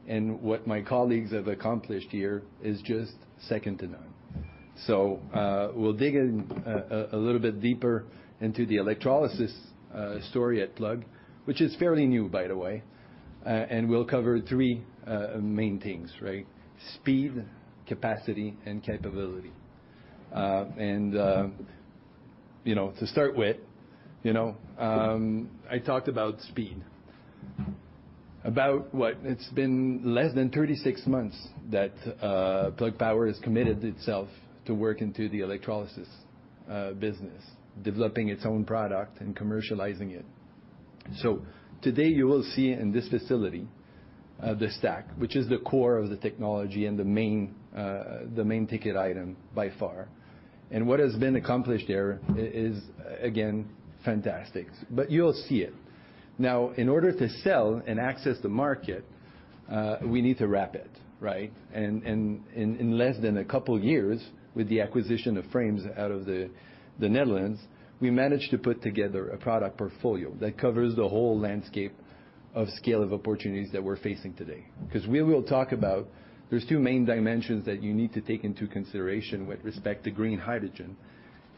and what my colleagues have accomplished here is just second to none. We'll dig in a little bit deeper into the electrolysis story at Plug, which is fairly new, by the way, and we'll cover three main things, right? Speed, capacity, and capability. You know, to start with, you know, I talked about speed. About what? It's been less than 36 months that Plug Power has committed itself to work into the electrolysis business, developing its own product and commercializing it. Today, you will see in this facility the stack, which is the core of the technology and the main ticket item by far. What has been accomplished there is, again, fantastic, but you will see it. In order to sell and access the market, we need to wrap it, right? In less than two years, with the acquisition of Frames out of the Netherlands, we managed to put together a product portfolio that covers the whole landscape of scale of opportunities that we're facing today. Cause we will talk about there's two main dimensions that you need to take into consideration with respect to green hydrogen,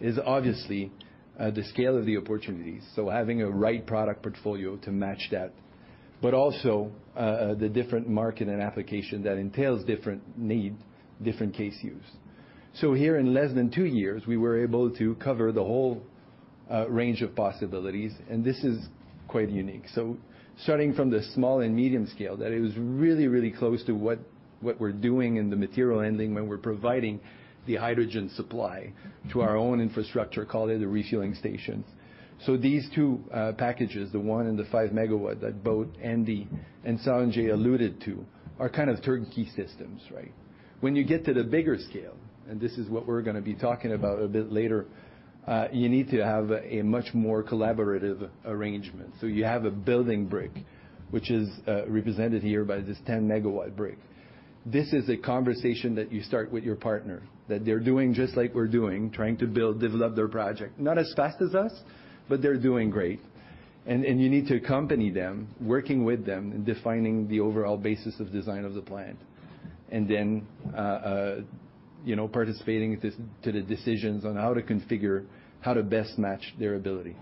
is obviously the scale of the opportunities, so having a right product portfolio to match that, but also the different market and application that entails different need, different case use. Here, in less than two years, we were able to cover the whole range of possibilities. This is quite unique. Starting from the small and medium scale, that it was really, really close to what we're doing in the material handling, when we're providing the hydrogen supply to our own infrastructure, call it a refueling station. These two packages, the 1 and the 5 megawatt that both Andy and Sanjay alluded to, are kind of turnkey systems, right? When you get to the bigger scale, and this is what we're gonna be talking about a bit later, you need to have a much more collaborative arrangement. You have a building brick, which is represented here by this 10-megawatt brick. This is a conversation that you start with your partner, that they're doing, just like we're doing, trying to build, develop their project. Not as fast as us, but they're doing great. And you need to accompany them, working with them in defining the overall basis of design of the plant, and then, you know, participating to the decisions on how to configure, how to best match their ability.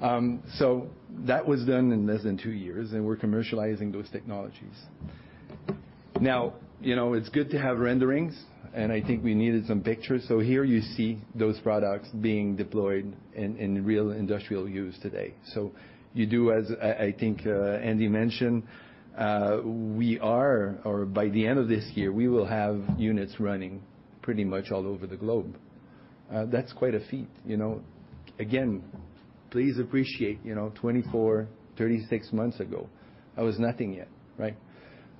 That was done in less than two years, and we're commercializing those technologies. Now, you know, it's good to have renderings, and I think we needed some pictures. Here you see those products being deployed in real industrial use today. I think Andy mentioned, we are, or by the end of this year, we will have units running pretty much all over the globe. That's quite a feat, you know. Again, please appreciate, you know, 24, 36 months ago, that was nothing yet, right?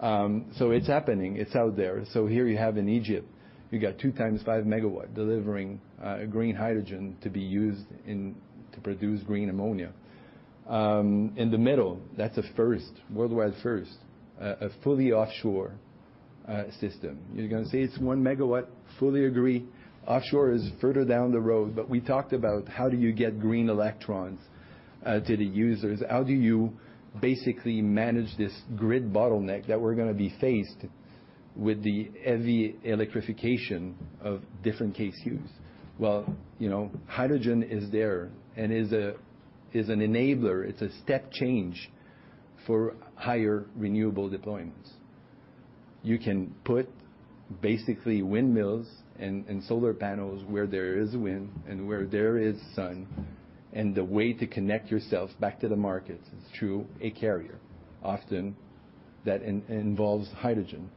It's happening. It's out there. Here you have in Egypt, you got 2x 5-megawatt delivering green hydrogen to be used to produce green ammonia. In the middle, that's a first, worldwide first, a fully offshore system. You're going to say it's 1 megawatt, fully agree. Offshore is further down the road, but we talked about how do you get green electrons to the users? How do you basically manage this grid bottleneck that we're going to be faced with the heavy electrification of different case use? You know, hydrogen is there and is an enabler. It's a step change for higher renewable deployments. You can put basically windmills and solar panels where there is wind and where there is sun, and the way to connect yourself back to the market is through a carrier. Often, that involves hydrogen.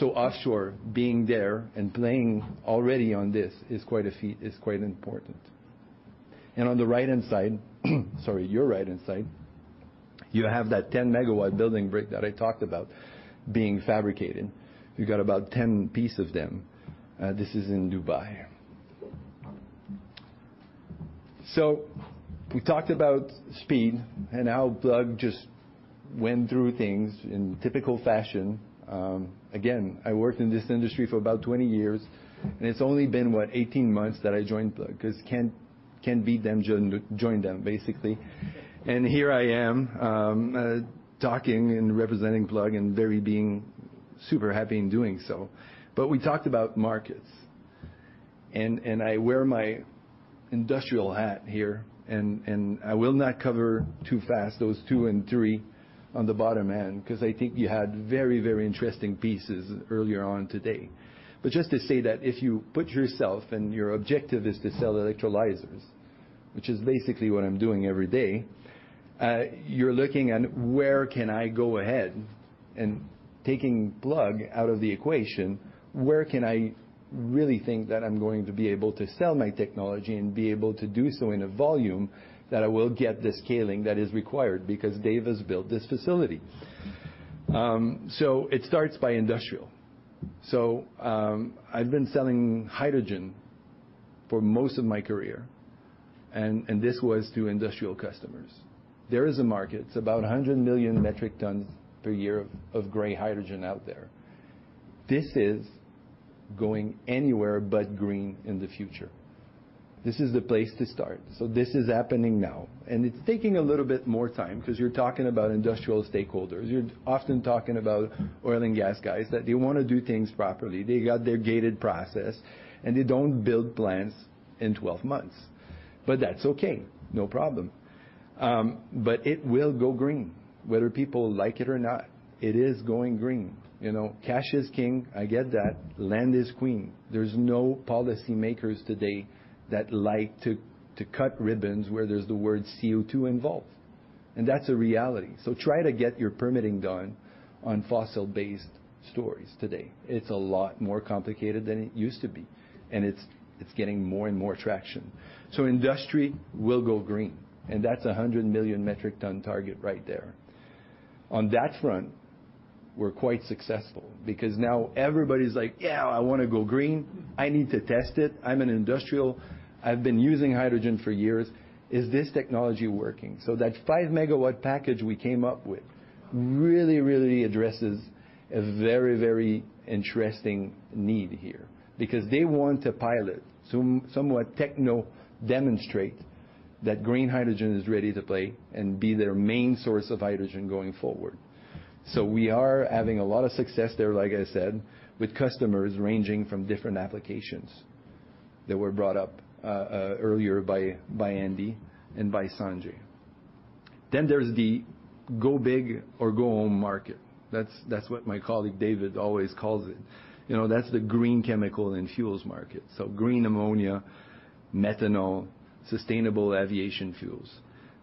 Offshore, being there and playing already on this is quite a feat, is quite important. On the right-hand side, sorry, your right-hand side, you have that 10-megawatt building brick that I talked about being fabricated. You got about 10 pieces of them. This is in Dubai. We talked about speed and how Plug just went through things in typical fashion. Again, I worked in this industry for about 20 years, and it's only been, what, 18 months that I joined Plug, 'cause can't beat them, join them, basically. Here I am, talking and representing Plug and very being super happy in doing so. We talked about markets, and I wear my industrial hat here, and I will not cover too fast, those two and three on the bottom end, 'cause I think you had very interesting pieces earlier on today. Just to say that if you put yourself and your objective is to sell electrolyzers, which is basically what I'm doing every day, you're looking at where can I go ahead? Taking Plug out of the equation, where can I really think that I'm going to be able to sell my technology and be able to do so in a volume that I will get the scaling that is required? Because Dave has built this facility. It starts by industrial. I've been selling hydrogen for most of my career, and this was to industrial customers. There is a market. It's about 100 million metric tons per year of gray hydrogen out there. This is going anywhere but green in the future. This is the place to start, so this is happening now. It's taking a little bit more time because you're talking about industrial stakeholders. You're often talking about oil and gas guys, that they wanna do things properly. They got their gated process, and they don't build plants in 12 months. That's okay, no problem. It will go green. Whether people like it or not, it is going green. You know, cash is king, I get that. Land is queen. There's no policymakers today that like to cut ribbons where there's the word CO2 involved, and that's a reality. Try to get your permitting done on fossil-based stories today. It's a lot more complicated than it used to be, and it's getting more and more traction. Industry will go green, and that's a 100 million metric ton target right there. On that front, were quite successful, because now everybody's like, "Yeah, I wanna go green. I need to test it. I'm an industrial. I've been using hydrogen for years. Is this technology working?" That 5-megawatt package we came up with really addresses a very interesting need here, because they want to pilot, somewhat techno demonstrate, that green hydrogen is ready to play and be their main source of hydrogen going forward. We are having a lot of success there, like I said, with customers ranging from different applications that were brought up earlier by Andy and by Sanjay. There's the go big or go home market. That's what my colleague, David, always calls it. You know, that's the green chemical and fuels market. Green ammonia, methanol, sustainable aviation fuels.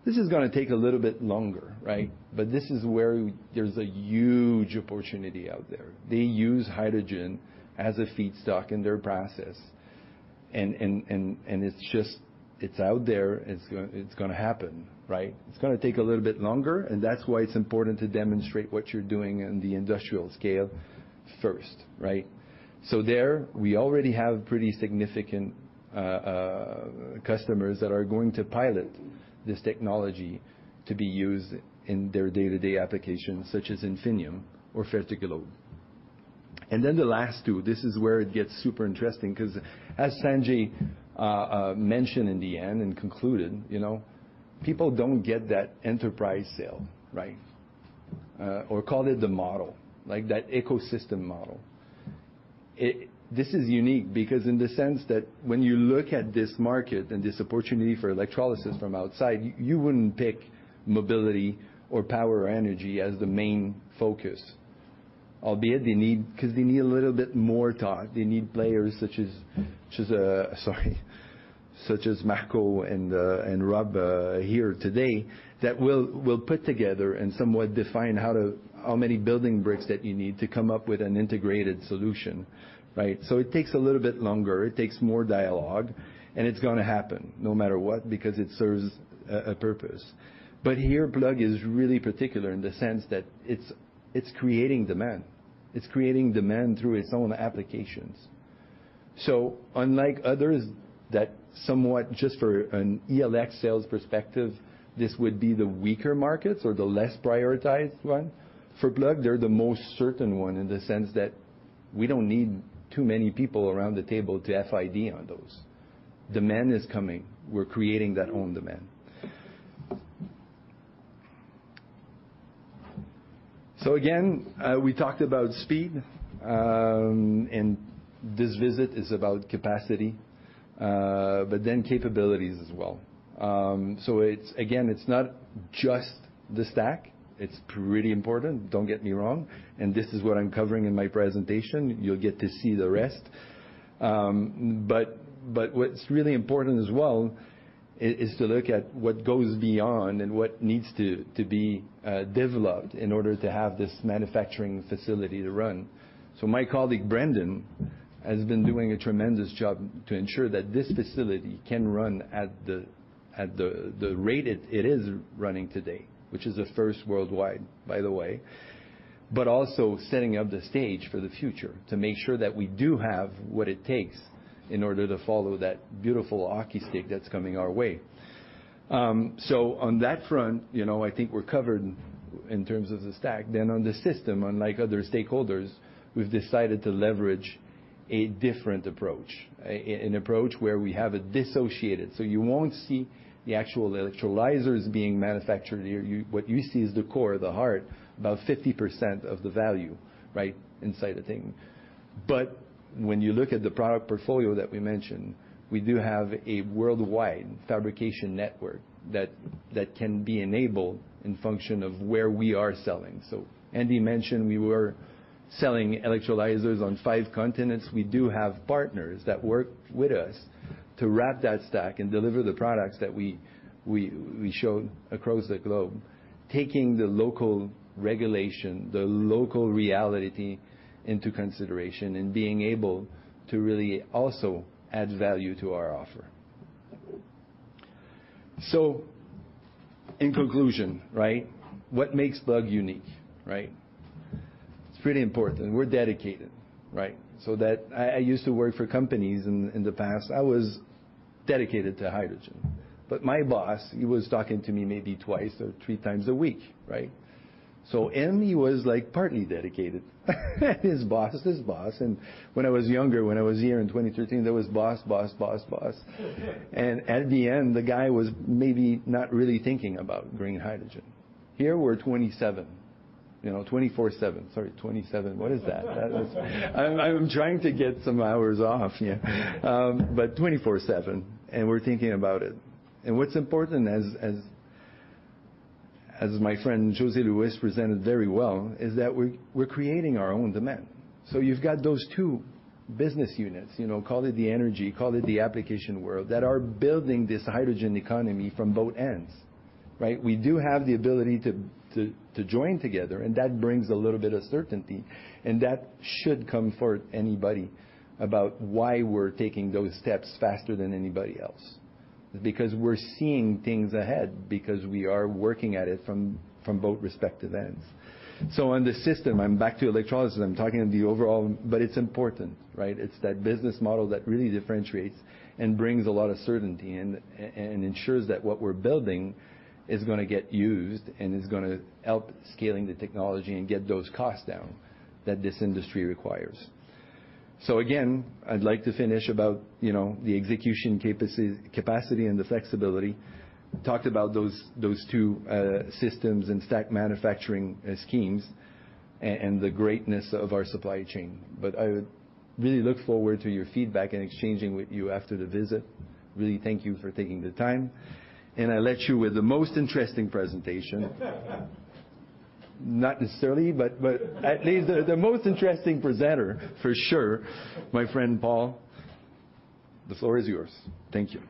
This is gonna take a little bit longer, right? This is where there's a huge opportunity out there. They use hydrogen as a feedstock in their process, and it's out there, and it's gonna happen, right? It's gonna take a little bit longer, and that's why it's important to demonstrate what you're doing in the industrial scale first, right? There, we already have pretty significant customers that are going to pilot this technology to be used in their day-to-day applications, such as Infinium or Fertiglobe. The last two, this is where it gets super interesting, 'cause as Sanjay mentioned in the end and concluded, you know, people don't get that enterprise sale, right? Or call it the model, like, that ecosystem model. This is unique because in the sense that when you look at this market and this opportunity for electrolysis from outside, you wouldn't pick mobility or power or energy as the main focus. 'Cause they need a little bit more talk. They need players such as Marco and Rob here today, that will put together and somewhat define how many building bricks that you need to come up with an integrated solution, right? It takes a little bit longer, it takes more dialogue, and it's gonna happen no matter what, because it serves a purpose. Here, Plug is really particular in the sense that it's creating demand. It's creating demand through its own applications. Unlike others, that somewhat just for an ELX sales perspective, this would be the weaker markets or the less prioritized one. For Plug, they're the most certain one in the sense that we don't need too many people around the table to FID on those. Demand is coming. We're creating that own demand. Again, we talked about speed, and this visit is about capacity, but then capabilities as well. It's again, it's not just the stack. It's pretty important, don't get me wrong, and this is what I'm covering in my presentation. You'll get to see the rest. What's really important as well is to look at what goes beyond and what needs to be developed in order to have this manufacturing facility to run. My colleague, Brendan, has been doing a tremendous job to ensure that this facility can run at the rate it is running today, which is a first worldwide, by the way. Also setting up the stage for the future to make sure that we do have what it takes in order to follow that beautiful hockey stick that's coming our way. On that front, you know, I think we're covered in terms of the stack. On the system, unlike other stakeholders, we've decided to leverage a different approach, an approach where we have it dissociated. You won't see the actual electrolyzers being manufactured here. What you see is the core, the heart, about 50% of the value, right, inside the thing. When you look at the product portfolio that we mentioned, we do have a worldwide fabrication network that can be enabled in function of where we are selling. Andy mentioned we were selling electrolyzers on five continents. We do have partners that work with us to wrap that stack and deliver the products that we show across the globe, taking the local regulation, the local reality into consideration, and being able to really also add value to our offer. In conclusion, right, what makes Plug unique, right? It's pretty important, and we're dedicated, right? I used to work for companies in the past. I was dedicated to hydrogen, my boss, he was talking to me maybe twice or three times a week, right? Him, he was, like, partly dedicated, his boss's boss. When I was younger, when I was here in 2013, there was boss, boss. At the end, the guy was maybe not really thinking about green hydrogen. Here, we're 27, you know, 24/7. Sorry, 27. What is that? I'm trying to get some hours off, yeah. 24/7, we're thinking about it. What's important as my friend Jose Luis presented very well, is that we're creating our own demand. You've got those two business units, you know, call it the energy, call it the application world, that are building this hydrogen economy from both ends, right? We do have the ability to join together, and that brings a little bit of certainty, and that should comfort anybody about why we're taking those steps faster than anybody else. We're seeing things ahead, because we are working at it from both respective ends. On the system, I'm back to electrolysis. I'm talking of the overall, but it's important, right? It's that business model that really differentiates and brings a lot of certainty and ensures that what we're building is gonna get used and is gonna help scaling the technology and get those costs down that this industry requires. Again, I'd like to finish about, you know, the execution capacity and the flexibility. Talked about those two systems and stack manufacturing schemes and the greatness of our supply chain. I really look forward to your feedback and exchanging with you after the visit. Really thank you for taking the time, and I let you with the most interesting presentation. Not necessarily, but at least the most interesting presenter, for sure. My friend, Paul, the floor is yours. Thank you.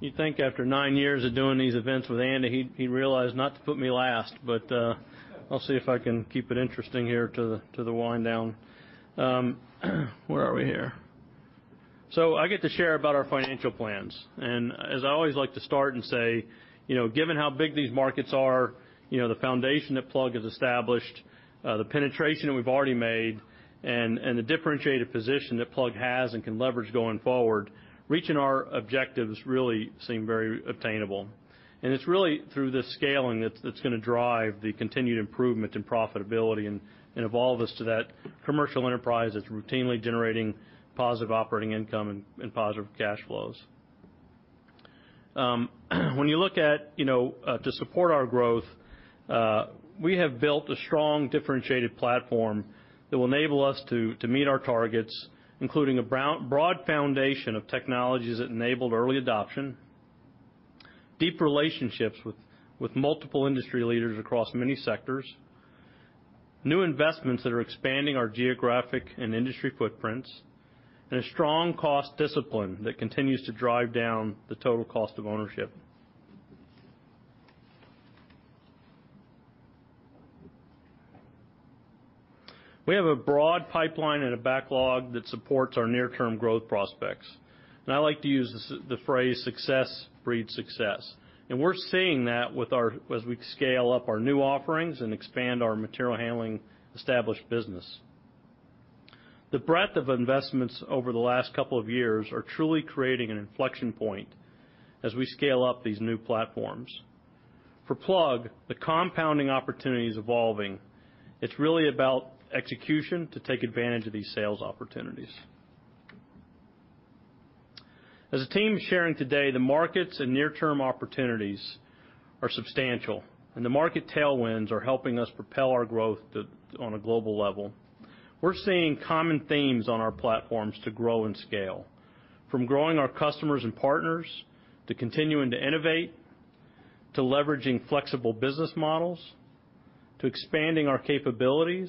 You'd think after nine years of doing these events with Andy, he'd realize not to put me last, but I'll see if I can keep it interesting here to the wind down. Where are we here? I get to share about our financial plans. As I always like to start and say, you know, given how big these markets are, you know, the foundation that Plug has established, the penetration that we've already made, and the differentiated position that Plug has and can leverage going forward, reaching our objectives really seem very obtainable. It's really through this scaling that's gonna drive the continued improvement in profitability and evolve us to that commercial enterprise that's routinely generating positive operating income and positive cash flows. When you look at, you know, to support our growth, we have built a strong, differentiated platform that will enable us to meet our targets, including a broad foundation of technologies that enabled early adoption, deep relationships with multiple industry leaders across many sectors, new investments that are expanding our geographic and industry footprints, and a strong cost discipline that continues to drive down the total cost of ownership. We have a broad pipeline and a backlog that supports our near-term growth prospects. I like to use the phrase, "Success breeds success." We're seeing that with our as we scale up our new offerings and expand our material handling established business. The breadth of investments over the last couple of years are truly creating an inflection point as we scale up these new platforms. For Plug, the compounding opportunity is evolving. It's really about execution to take advantage of these sales opportunities. As the team sharing today, the markets and near-term opportunities are substantial, and the market tailwinds are helping us propel our growth to, on a global level. We're seeing common themes on our platforms to grow and scale, from growing our customers and partners, to continuing to innovate, to leveraging flexible business models, to expanding our capabilities,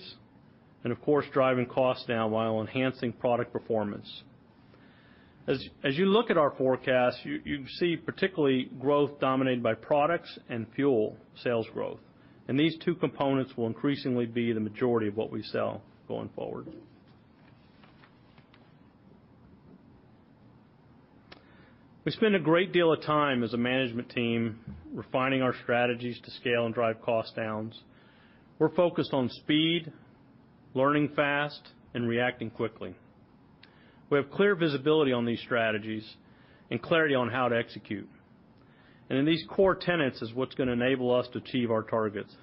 and of course, driving costs down while enhancing product performance. As you look at our forecast, you see particularly growth dominated by products and fuel sales growth. These two components will increasingly be the majority of what we sell going forward. We spend a great deal of time as a management team refining our strategies to scale and drive cost downs. We're focused on speed, learning fast, and reacting quickly. We have clear visibility on these strategies and clarity on how to execute. In these core tenets is what's gonna enable us to achieve our targets.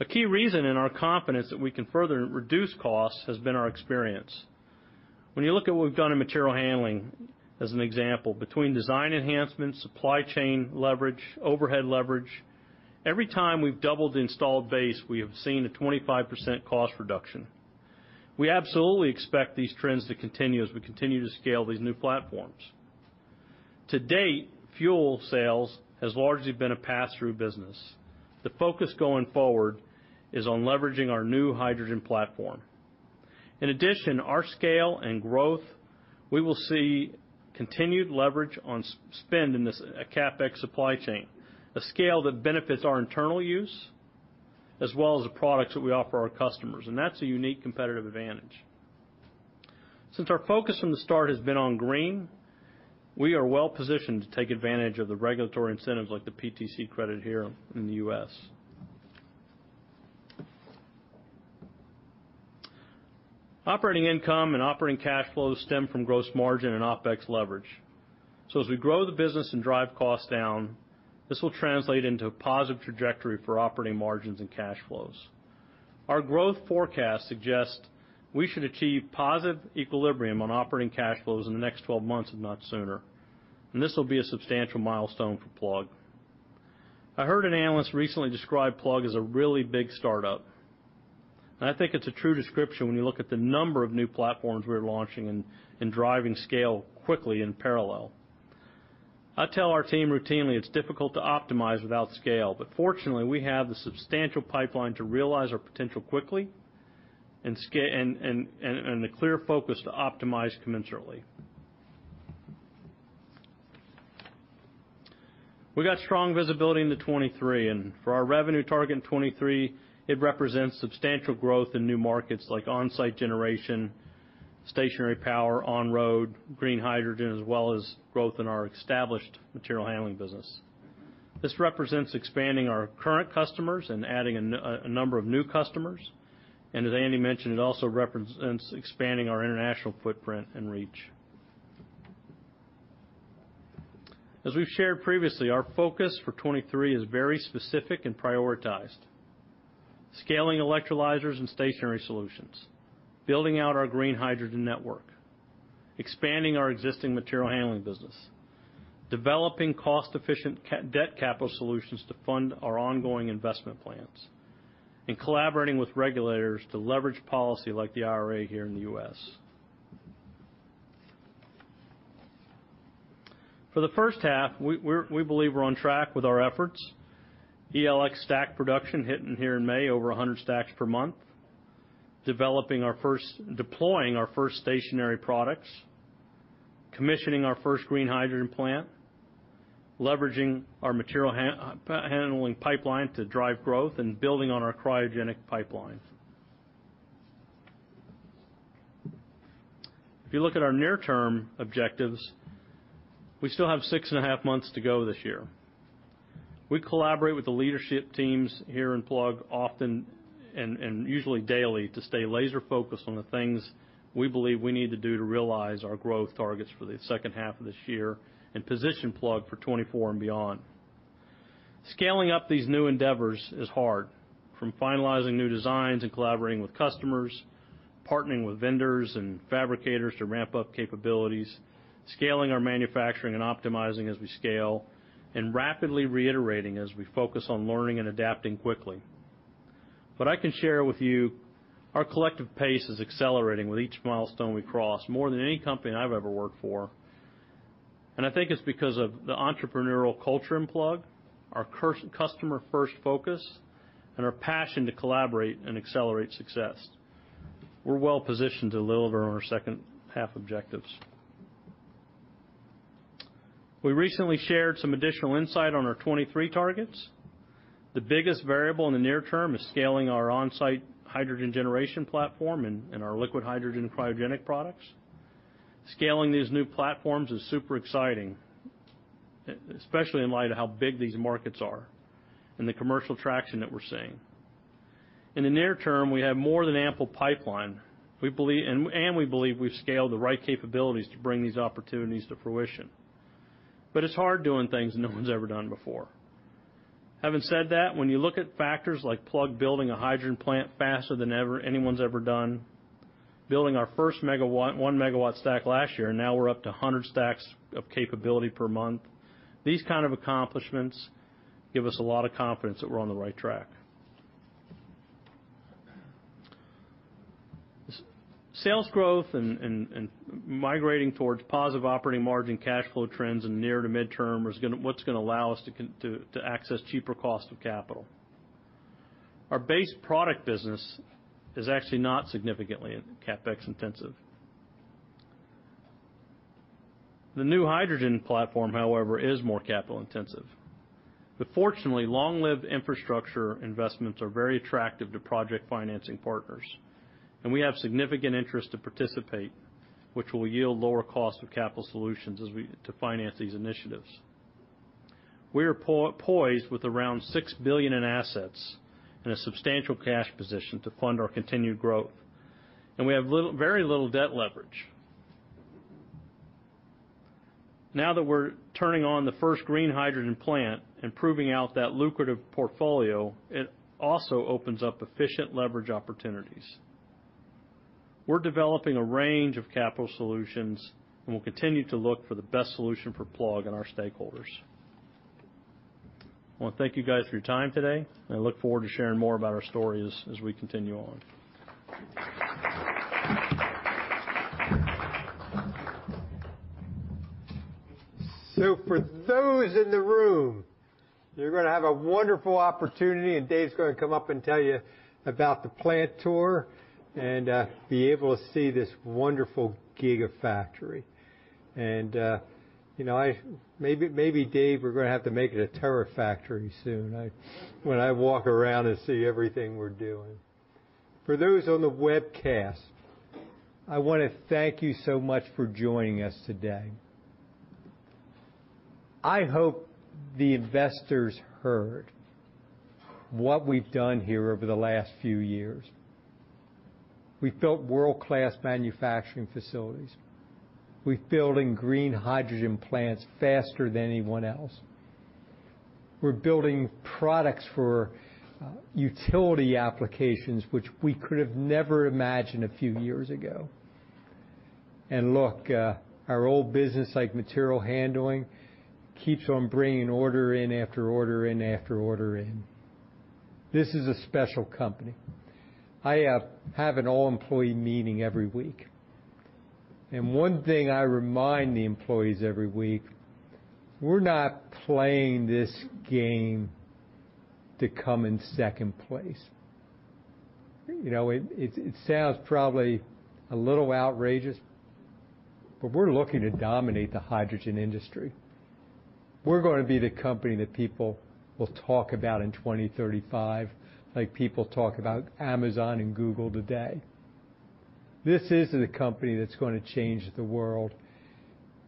A key reason in our confidence that we can further reduce costs has been our experience. When you look at what we've done in material handling, as an example, between design enhancements, supply chain leverage, overhead leverage, every time we've doubled the installed base, we have seen a 25% cost reduction. We absolutely expect these trends to continue as we continue to scale these new platforms. To date, fuel sales has largely been a pass-through business. The focus going forward is on leveraging our new hydrogen platform. In addition, our scale and growth, we will see continued leverage on spend in this CapEx supply chain, a scale that benefits our internal use, as well as the products that we offer our customers. That's a unique competitive advantage. Since our focus from the start has been on green, we are well positioned to take advantage of the regulatory incentives like the PTC credit here in the U.S. Operating income and operating cash flows stem from gross margin and OpEx leverage. As we grow the business and drive costs down, this will translate into a positive trajectory for operating margins and cash flows. Our growth forecast suggests we should achieve positive equilibrium on operating cash flows in the next 12 months, if not sooner. This will be a substantial milestone for Plug. I heard an analyst recently describe Plug as a really big startup. I think it's a true description when you look at the number of new platforms we're launching and driving scale quickly in parallel. I tell our team routinely, it's difficult to optimize without scale. Fortunately, we have the substantial pipeline to realize our potential quickly and the clear focus to optimize commensurately. We've got strong visibility into 2023. For our revenue target in 2023, it represents substantial growth in new markets like on-site generation, stationary power, on-road, green hydrogen, as well as growth in our established material handling business. This represents expanding our current customers and adding a number of new customers. As Andy mentioned, it also represents expanding our international footprint and reach. As we've shared previously, our focus for 2023 is very specific and prioritized: scaling electrolyzers and stationary solutions, building out our green hydrogen network, expanding our existing material handling business, developing cost-efficient debt capital solutions to fund our ongoing investment plans, and collaborating with regulators to leverage policy like the IRA here in the U.S. For the first half, we believe we're on track with our efforts. ELX stack production hitting here in May, over 100 stacks per month. deploying our first stationary products, commissioning our first green hydrogen plant, leveraging our material handling pipeline to drive growth, and building on our cryogenic pipeline. If you look at our near-term objectives, we still have six and a half months to go this year. We collaborate with the leadership teams here in Plug often and usually daily, to stay laser-focused on the things we believe we need to do to realize our growth targets for the second half of this year and position Plug for 2024 and beyond. Scaling up these new endeavors is hard, from finalizing new designs and collaborating with customers, partnering with vendors and fabricators to ramp up capabilities, scaling our manufacturing and optimizing as we scale, and rapidly reiterating as we focus on learning and adapting quickly. I can share with you, our collective pace is accelerating with each milestone we cross, more than any company I've ever worked for. I think it's because of the entrepreneurial culture in Plug, our customer-first focus, and our passion to collaborate and accelerate success. We're well positioned to deliver on our second half objectives. We recently shared some additional insight on our 2023 targets. The biggest variable in the near term is scaling our on-site hydrogen generation platform and our liquid hydrogen cryogenic products. Scaling these new platforms is super exciting, especially in light of how big these markets are and the commercial traction that we're seeing. In the near term, we have more than ample pipeline, we believe, and we believe we've scaled the right capabilities to bring these opportunities to fruition, but it's hard doing things no one's ever done before. Having said that, when you look at factors like Plug building a hydrogen plant faster than ever anyone's ever done, building our first 1-megawatt stack last year, and now we're up to 100 stacks of capability per month, these kind of accomplishments give us a lot of confidence that we're on the right track. Sales growth and migrating towards positive operating margin cash flow trends in the near to midterm what's gonna allow us to access cheaper cost of capital. Our base product business is actually not significantly CapEx intensive. The new hydrogen platform, however, is more capital intensive. Fortunately, long-lived infrastructure investments are very attractive to project financing partners, and we have significant interest to participate, which will yield lower cost of capital solutions as we. To finance these initiatives. We are poised with around $6 billion in assets and a substantial cash position to fund our continued growth, and we have little, very little debt leverage. That we're turning on the first green hydrogen plant and proving out that lucrative portfolio, it also opens up efficient leverage opportunities. We're developing a range of capital solutions. We'll continue to look for the best solution for Plug and our stakeholders. I wanna thank you guys for your time today. I look forward to sharing more about our story as we continue on. For those in the room, you're going to have a wonderful opportunity, and Dave is going to come up and tell you about the plant tour and be able to see this wonderful Gigafactory. You know, maybe, Dave, we are going to have to make it a Terafactory soon, when I walk around and see everything we are doing. For those on the webcast, I want to thank you so much for joining us today. I hope the investors heard what we have done here over the last few years. We have built world-class manufacturing facilities. We are building green hydrogen plants faster than anyone else. We are building products for utility applications, which we could have never imagined a few years ago. Look, our old business, like material handling, keeps on bringing order in, after order in, after order in. This is a special company. I have an all-employee meeting every week. One thing I remind the employees every week: we're not playing this game to come in second place. You know, it sounds probably a little outrageous, but we're looking to dominate the hydrogen industry. We're going to be the company that people will talk about in 2035, like people talk about Amazon and Google today. This is the company that's going to change the world.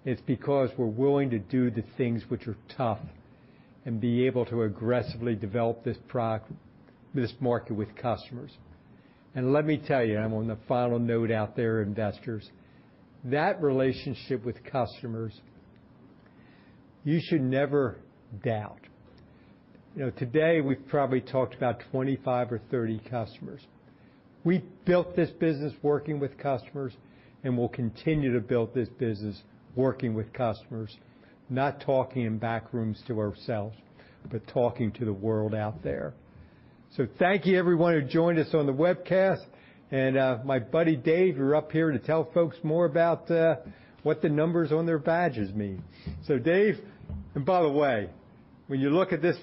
It's because we're willing to do the things which are tough and be able to aggressively develop this market with customers. Let me tell you, I'm on the final note out there, investors, that relationship with customers, you should never doubt. You know, today, we've probably talked about 25 or 30 customers. We built this business working with customers, and we'll continue to build this business working with customers, not talking in back rooms to ourselves, but talking to the world out there. Thank you everyone who joined us on the webcast, my buddy, Dave, you're up here to tell folks more about what the numbers on their badges mean. Dave. By the way, when you look at this man.